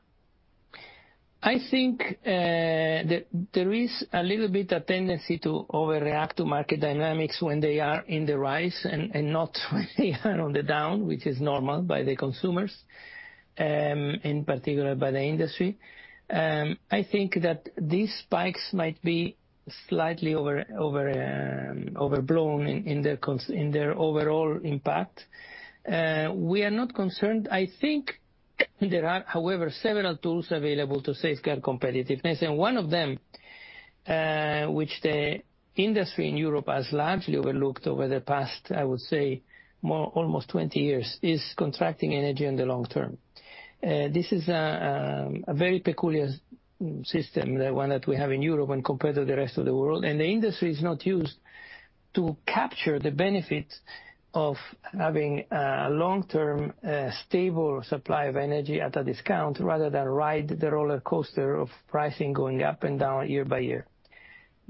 I think that there is a little bit a tendency to overreact to market dynamics when they are in the rise and not when they are on the down, which is normal by the consumers, and in particular by the industry. I think that these spikes might be slightly overblown in their overall impact. We are not concerned. I think there are, however, several tools available to safeguard competitiveness, and one of them, which the industry in Europe has largely overlooked over the past, I would say almost 20 years, is contracting energy in the long term. This is a very peculiar system, the one that we have in Europe when compared to the rest of the world. The industry is not used to capture the benefits of having a long-term, stable supply of energy at a discount, rather than ride the roller coaster of pricing going up and down year by year.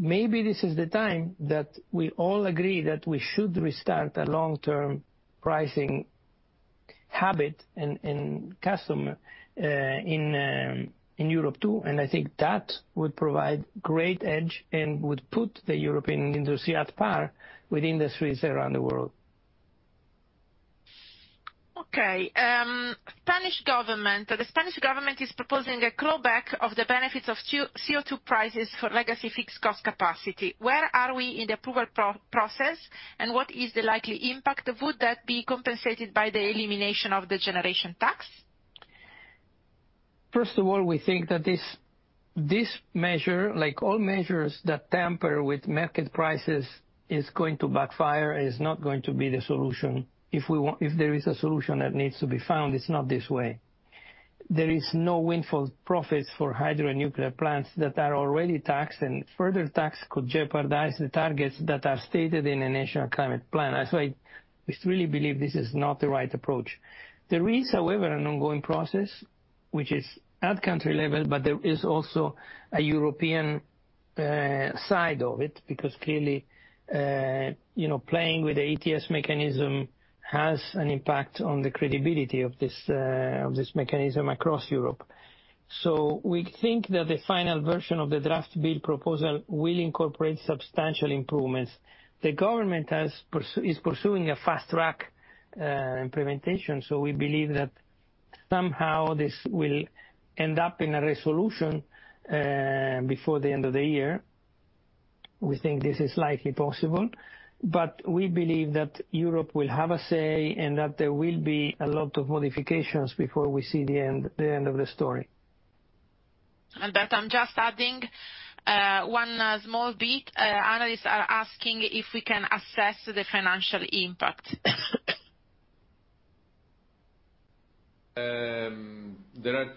Maybe this is the time that we all agree that we should restart a long-term pricing habit and custom in Europe, too. I think that would provide great edge and would put the European industry at par with industries around the world. Okay. The Spanish government is proposing a clawback of the benefits of CO2 prices for legacy fixed cost capacity. Where are we in the approval process, and what is the likely impact? Would that be compensated by the elimination of the generation tax? First of all, we think that this measure, like all measures that tamper with market prices, is going to backfire. It is not going to be the solution. If there is a solution that needs to be found, it's not this way. There is no windfall profits for hydro and nuclear plants that are already taxed, and further tax could jeopardize the targets that are stated in a national climate plan. I just really believe this is not the right approach. There is, however, an ongoing process, which is at country level, but there is also a European side of it, because clearly playing with the ETS mechanism has an impact on the credibility of this mechanism across Europe. We think that the final version of the draft bill proposal will incorporate substantial improvements. The government is pursuing a fast-track implementation. We believe that somehow this will end up in a resolution before the end of the year. We think this is likely possible. We believe that Europe will have a say and that there will be a lot of modifications before we see the end of the story. That I'm just adding one small bit. Analysts are asking if we can assess the financial impact. There are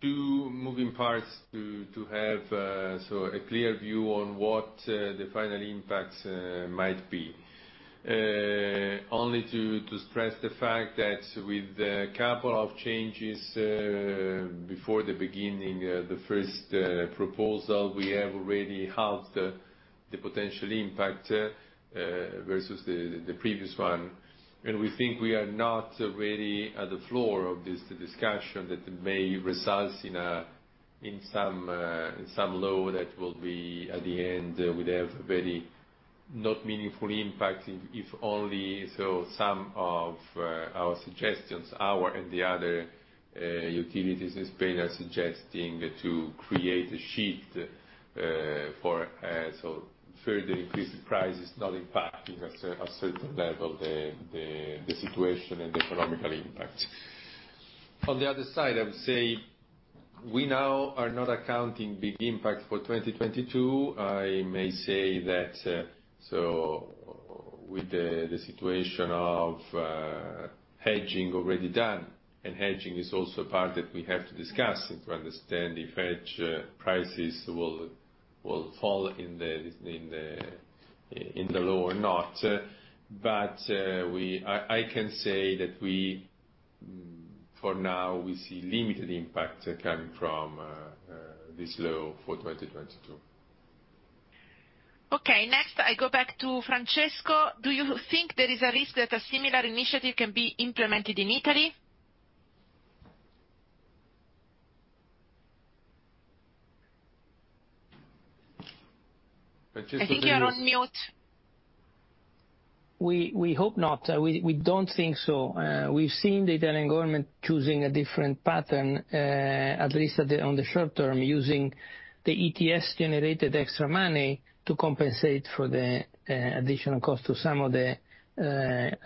two moving parts to have a clear view on what the final impacts might be. Only to stress the fact that with a couple of changes before the beginning, the first proposal, we have already halved the potential impact, versus the previous one. We think we are not really at the floor of this discussion that may result in some law that will be at the end, would have very not meaningful impact if only some of our suggestions, our and the other utilities in Spain are suggesting to create a shift for further increased prices, not impacting a certain level the situation and the economical impact. On the other side, I would say we now are not accounting big impact for 2022. I may say that with the situation of hedging already done, hedging is also a part that we have to discuss and to understand if hedge prices will fall in the law or not. I can say that for now, we see limited impact coming from this law for 2022. Okay. Next, I go back to Francesco. Do you think there is a risk that a similar initiative can be implemented in Italy? I think you are on mute. We hope not. We don't think so. We've seen the Italian government choosing a different pattern, at least on the short term, using the ETS generated extra money to compensate for the additional cost to some of the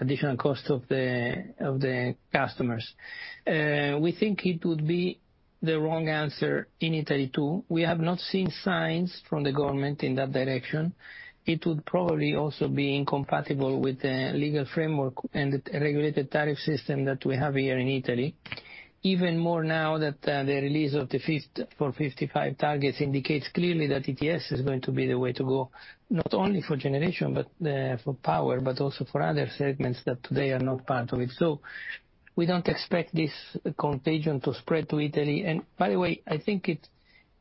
additional cost of the customers. We think it would be the wrong answer in Italy, too. We have not seen signs from the government in that direction. It would probably also be incompatible with the legal framework and the regulated tariff system that we have here in Italy. Even more now that the release of the Fit for 55 targets indicates clearly that ETS is going to be the way to go, not only for generation, but for power, but also for other segments that today are not part of it. We don't expect this contagion to spread to Italy. By the way, I think it,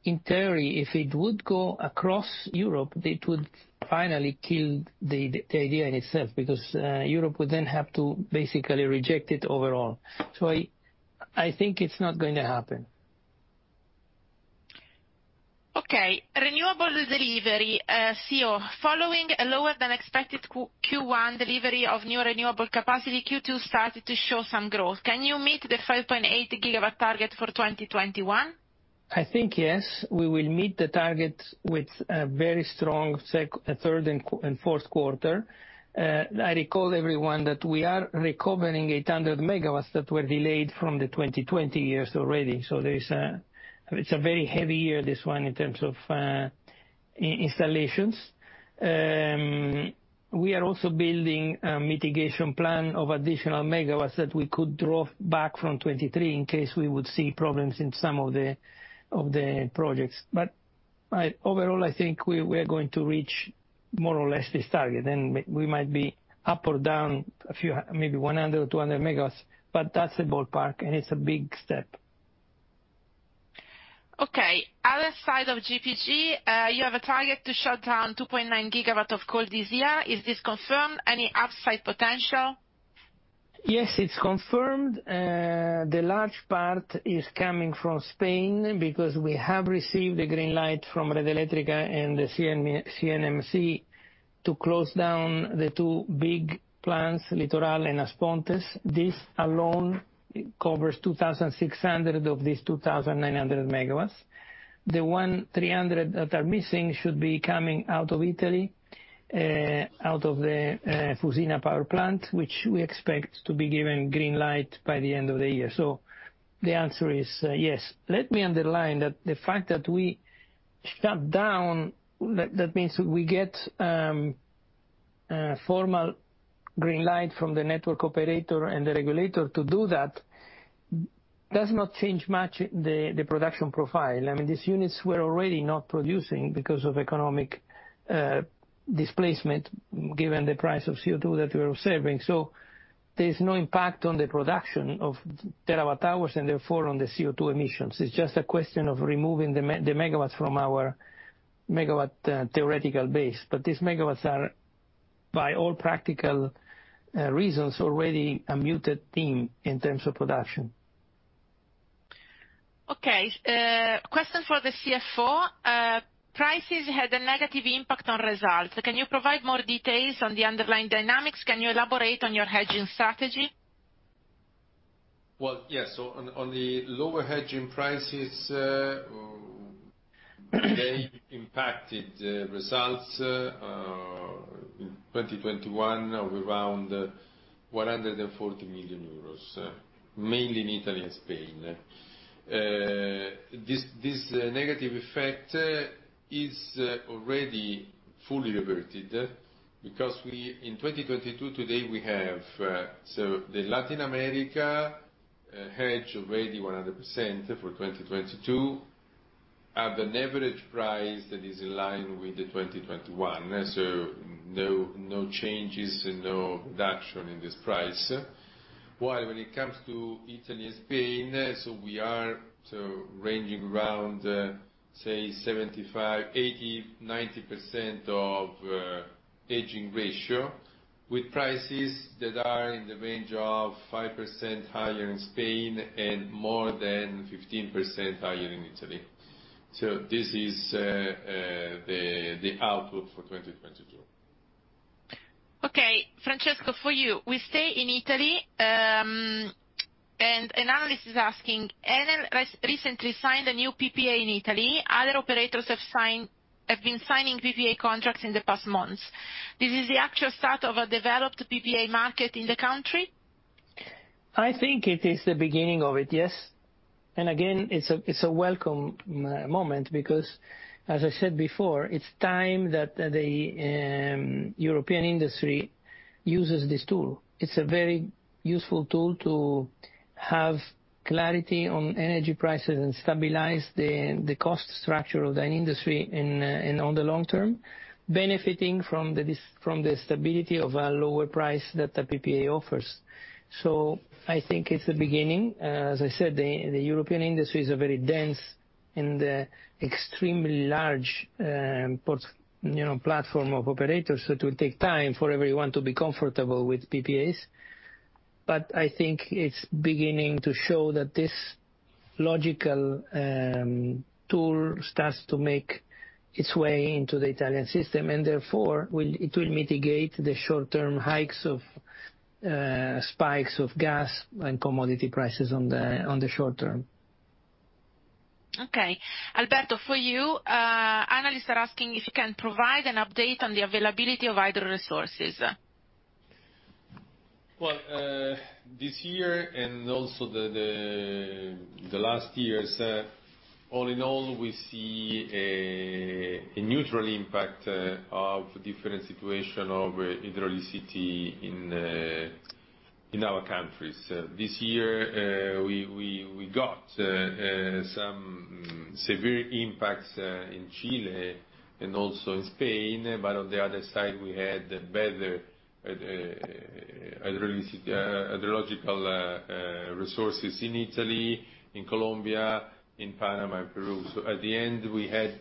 in theory, if it would go across Europe, it would finally kill the idea in itself, because Europe would then have to basically reject it overall. I think it's not going to happen. Okay. Renewable delivery. CEO, following a lower than expected Q1 delivery of new renewable capacity, Q2 started to show some growth. Can you meet the 5.8 GW target for 2021? I think yes. We will meet the target with a very strong third and fourth quarter. I recall everyone that we are recovering 800 MW that were delayed from the 2020 years already. It's a very heavy year, this one, in terms of installations. We are also building a mitigation plan of additional megawatts that we could draw back from 2023 in case we would see problems in some of the projects. Overall, I think we are going to reach more or less this target. We might be up or down a few, maybe 100 or 200 MW, but that's the ballpark and it's a big step. Okay. Other side of GPG, you have a target to shut down 2.9 GW of coal this year. Is this confirmed? Any upside potential? Yes, it's confirmed. The large part is coming from Spain because we have received the green light from Red Eléctrica and the CNMC to close down the two big plants, Litoral and As Pontes. This alone covers 2,600 of these 2,900 MW. The 1,300 MW that are missing should be coming out of Italy, out of the Fusina power plant, which we expect to be given green light by the end of the year. The answer is yes. Let me underline that the fact that we shut down, that means we get formal green light from the network operator and the regulator to do that, does not change much the production profile. These units were already not producing because of economic displacement, given the price of CO2 that we are observing. There is no impact on the production of TWh and therefore on the CO2 emissions. It's just a question of removing the megawatts from our megawatt theoretical base. These megawatts are, by all practical reasons, already a muted theme in terms of production. Okay. Question for the CFO. Prices had a negative impact on results. Can you provide more details on the underlying dynamics? Can you elaborate on your hedging strategy? Well, yes. On the lower hedging prices, they impacted the results in 2021 of around 140 million euros, mainly in Italy and Spain. This negative effect is already fully reverted because in 2022, today, we have the Latin America hedged already 100% for 2022 at an average price that is in line with the 2021. No changes and no reduction in this price. While when it comes to Italy and Spain, we are ranging around, say, 75%, 80%, 90% of hedging ratio with prices that are in the range of 5% higher in Spain and more than 15% higher in Italy. This is the output for 2022. Okay. Francesco, for you. We stay in Italy, and an analyst is asking, Enel recently signed a new PPA in Italy. Other operators have been signing PPA contracts in the past months. This is the actual start of a developed PPA market in the country? I think it is the beginning of it, yes. Again, it's a welcome moment because, as I said before, it's time that the European industry uses this tool. It's a very useful tool to have clarity on energy prices and stabilize the cost structure of an industry on the long term, benefiting from the stability of a lower price that the PPA offers. I think it's the beginning. As I said, the European industry is a very dense and extremely large platform of operators, so it will take time for everyone to be comfortable with PPAs. I think it's beginning to show that this logical tool starts to make its way into the Italian system, and therefore, it will mitigate the short-term hikes of spikes of gas and commodity prices on the short term. Okay. Alberto, for you, analysts are asking if you can provide an update on the availability of hydro resources. Well, this year and also the last years, all in all, we see a neutral impact of different situation of hydroelectricity in our countries. This year, we got some severe impacts in Chile and also in Spain. On the other side, we had better hydrological resources in Italy, in Colombia, in Panama, and Peru. At the end, we had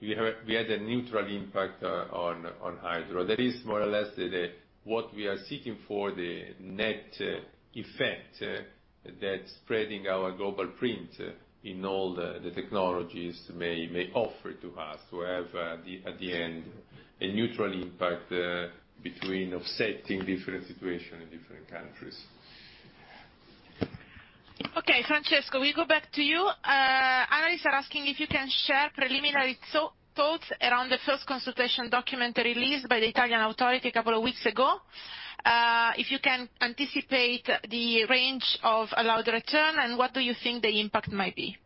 a neutral impact on hydro. That is more or less what we are seeking for the net effect that spreading our global print in all the technologies may offer to us, to have, at the end, a neutral impact between offsetting different situation in different countries. Okay, Francesco, we go back to you. Analysts are asking if you can share preliminary thoughts around the first consultation document released by the Italian authority a couple of weeks ago, if you can anticipate the range of allowed return, and what do you think the impact might be?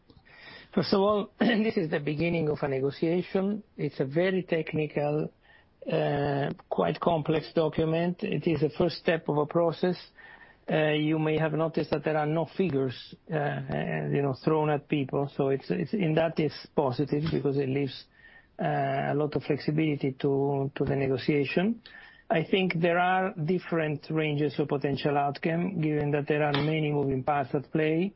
First of all, this is the beginning of a negotiation. It's a very technical, quite complex document. It is a first step of a process. You may have noticed that there are no figures thrown at people. In that, it's positive because it leaves a lot of flexibility to the negotiation. I think there are different ranges of potential outcome given that there are many moving parts at play.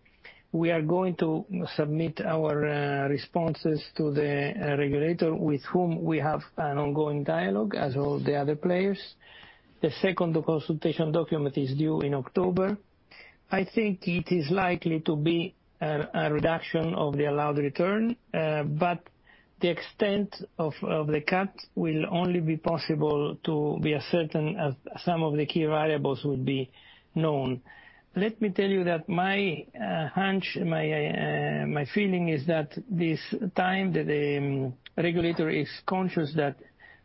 We are going to submit our responses to the regulator with whom we have an ongoing dialogue, as all the other players. The second consultation document is due in October. I think it is likely to be a reduction of the allowed return. The extent of the cut will only be possible to be as certain as some of the key variables would be known. Let me tell you that my hunch, my feeling is that this time, the regulator is conscious that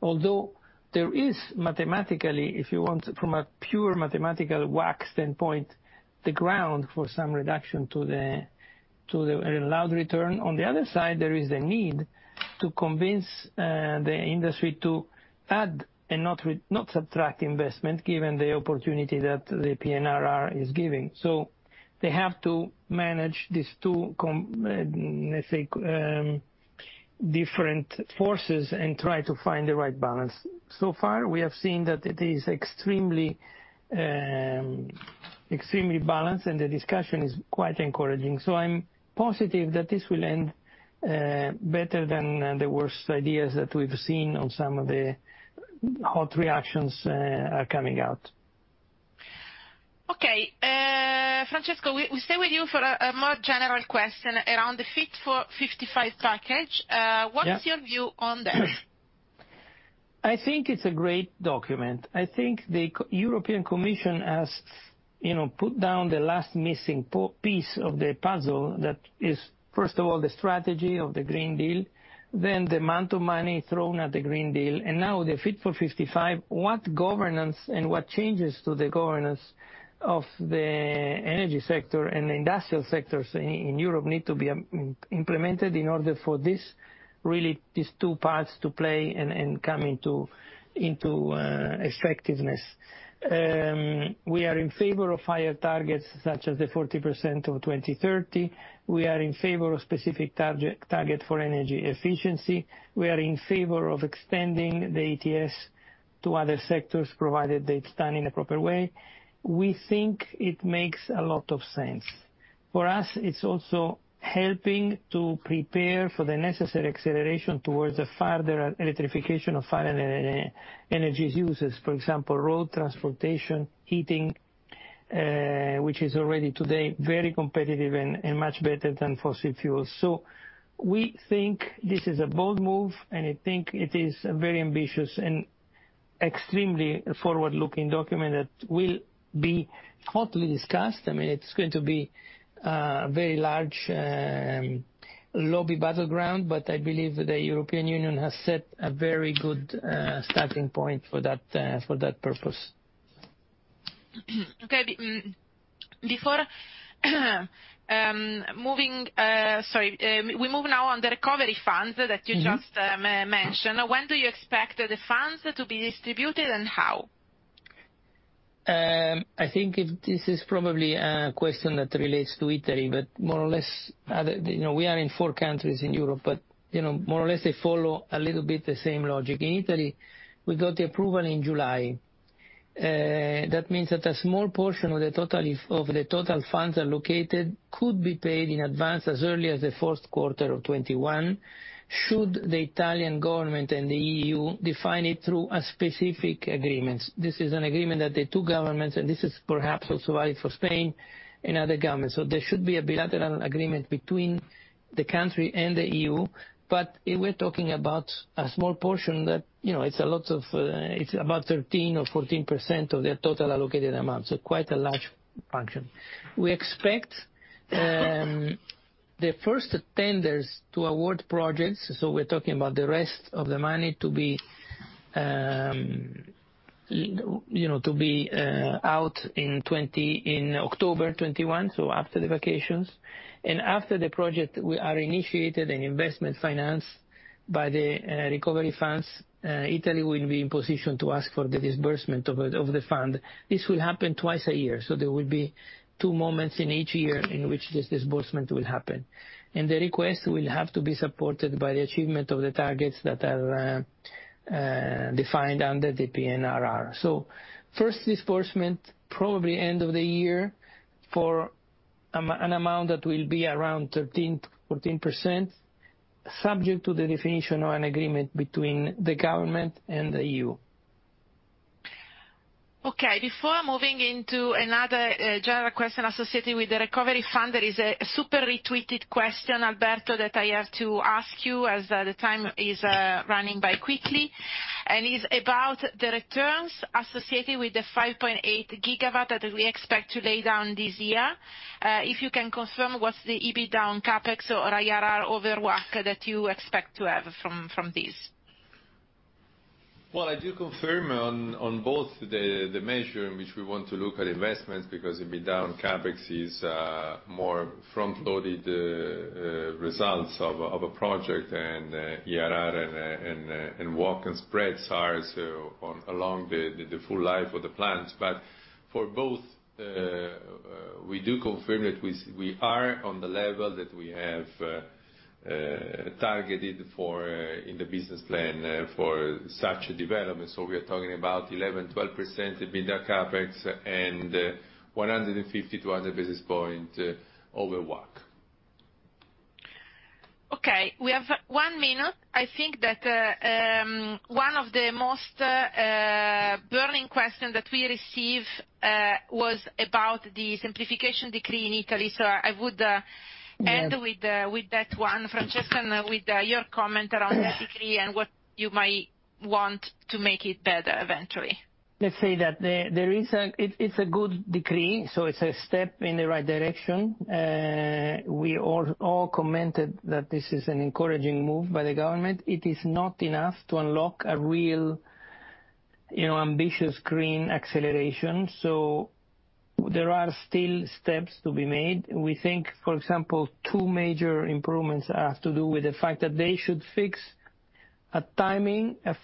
although there is mathematically, if you want, from a pure mathematical WACC standpoint, the ground for some reduction to the allowed return. On the other side, there is the need to convince the industry to add and not subtract investment, given the opportunity that the PNRR is giving. They have to manage these two, let's say, different forces and try to find the right balance. So far, we have seen that it is extremely balanced, and the discussion is quite encouraging. I'm positive that this will end better than the worst ideas that we've seen on some of the hot reactions are coming out. Okay. Francesco, we stay with you for a more general question around the Fit for 55 package. Yeah. What is your view on that? I think it's a great document. I think the European Commission has put down the last missing piece of the puzzle that is, first of all, the strategy of the Green Deal, then the amount of money thrown at the Green Deal, and now the Fit for 55. What governance and what changes to the governance of the energy sector and industrial sectors in Europe need to be implemented in order for these two parts to play and come into effectiveness? We are in favor of higher targets, such as the 40% of 2030. We are in favor of specific target for energy efficiency. We are in favor of extending the ETS to other sectors, provided it's done in a proper way. We think it makes a lot of sense. For us, it's also helping to prepare for the necessary acceleration towards the further electrification of final energy uses. For example, road transportation, heating, which is already today very competitive and much better than fossil fuels. We think this is a bold move, and I think it is a very ambitious and extremely forward-looking document that will be hotly discussed. It's going to be a very large lobby battleground, but I believe the European Union has set a very good starting point for that purpose. Okay. We move now on the recovery funds that you just mentioned. When do you expect the funds to be distributed and how? I think this is probably a question that relates to Italy, but more or less, we are in four countries in Europe, but more or less they follow a little bit the same logic. In Italy, we got the approval in July. That means that a small portion of the total funds allocated could be paid in advance as early as the first quarter of 2021, should the Italian government and the EU define it through a specific agreement. This is an agreement that the two governments, and this is perhaps also valid for Spain and other governments. There should be a bilateral agreement between the country and the EU. We're talking about a small portion that it's about 13% or 14% of the total allocated amount, so quite a large portion. We expect the first tenders to award projects, so we're talking about the rest of the money to be out in October 2021, so after the vacations. After the projects are initiated and investments financed by the recovery funds, Italy will be in position to ask for the disbursement of the fund. This will happen twice a year. There will be two moments in each year in which this disbursement will happen. The request will have to be supported by the achievement of the targets that are defined under the PNRR. First disbursement, probably end of the year, for an amount that will be around 13%-14%, subject to the definition of an agreement between the government and the EU. Okay. Before moving into another general question associated with the recovery fund, there is a super retweeted question, Alberto, that I have to ask you, as the time is running by quickly, and is about the returns associated with the 5.8 GW that we expect to lay down this year. If you can confirm what's the EBITDA on CapEx or IRR over WACC that you expect to have from this? Well, I do confirm on both the measure in which we want to look at investments, because EBITDA on CapEx is more front-loaded results of a project and IRR and WACC and spreads are along the full life of the plans. For both, we do confirm that we are on the level that we have targeted in the business plan for such a development. We are talking about 11%-12% EBITDA CapEx and 150 to 100 basis point over WACC. Okay. We have one minute. I think that one of the most burning question that we receive was about the simplification decree in Italy. I would end with that one, Francesco, and with your comment around that decree and what you might want to make it better eventually. Let's say that it's a good decree. It's a step in the right direction. We all commented that this is an encouraging move by the government. It is not enough to unlock a real ambitious green acceleration. There are still steps to be made. We think, for example, two major improvements have to do with the fact that they should fix a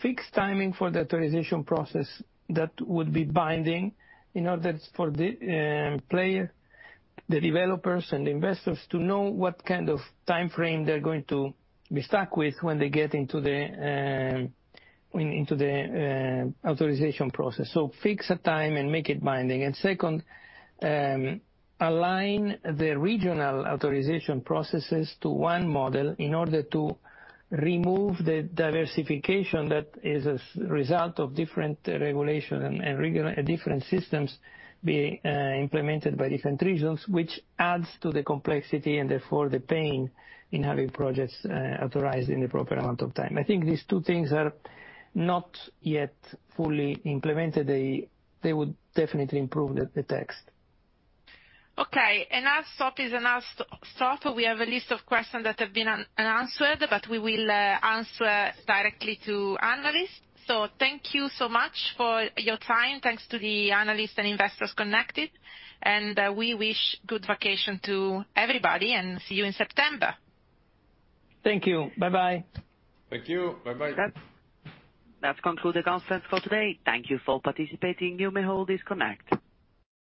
fixed timing for the authorization process that would be binding, in order for the player, the developers, and investors to know what kind of timeframe they're going to be stuck with when they get into the authorization process. Fix a time and make it binding. Second, align the regional authorization processes to one model in order to remove the diversification that is a result of different regulation and different systems being implemented by different regions, which adds to the complexity and therefore the pain in having projects authorized in the proper amount of time. I think these two things are not yet fully implemented. They would definitely improve the system. Okay. Enough stop is enough sort. We have a list of questions that have been unanswered, but we will answer directly to analysts. Thank you so much for your time. Thanks to the analysts and investors connected, and we wish good vacation to everybody and see you in September. Thank you. Bye-bye. Thank you. Bye-bye. That concludes the conference for today. Thank you for participating. You may all disconnect.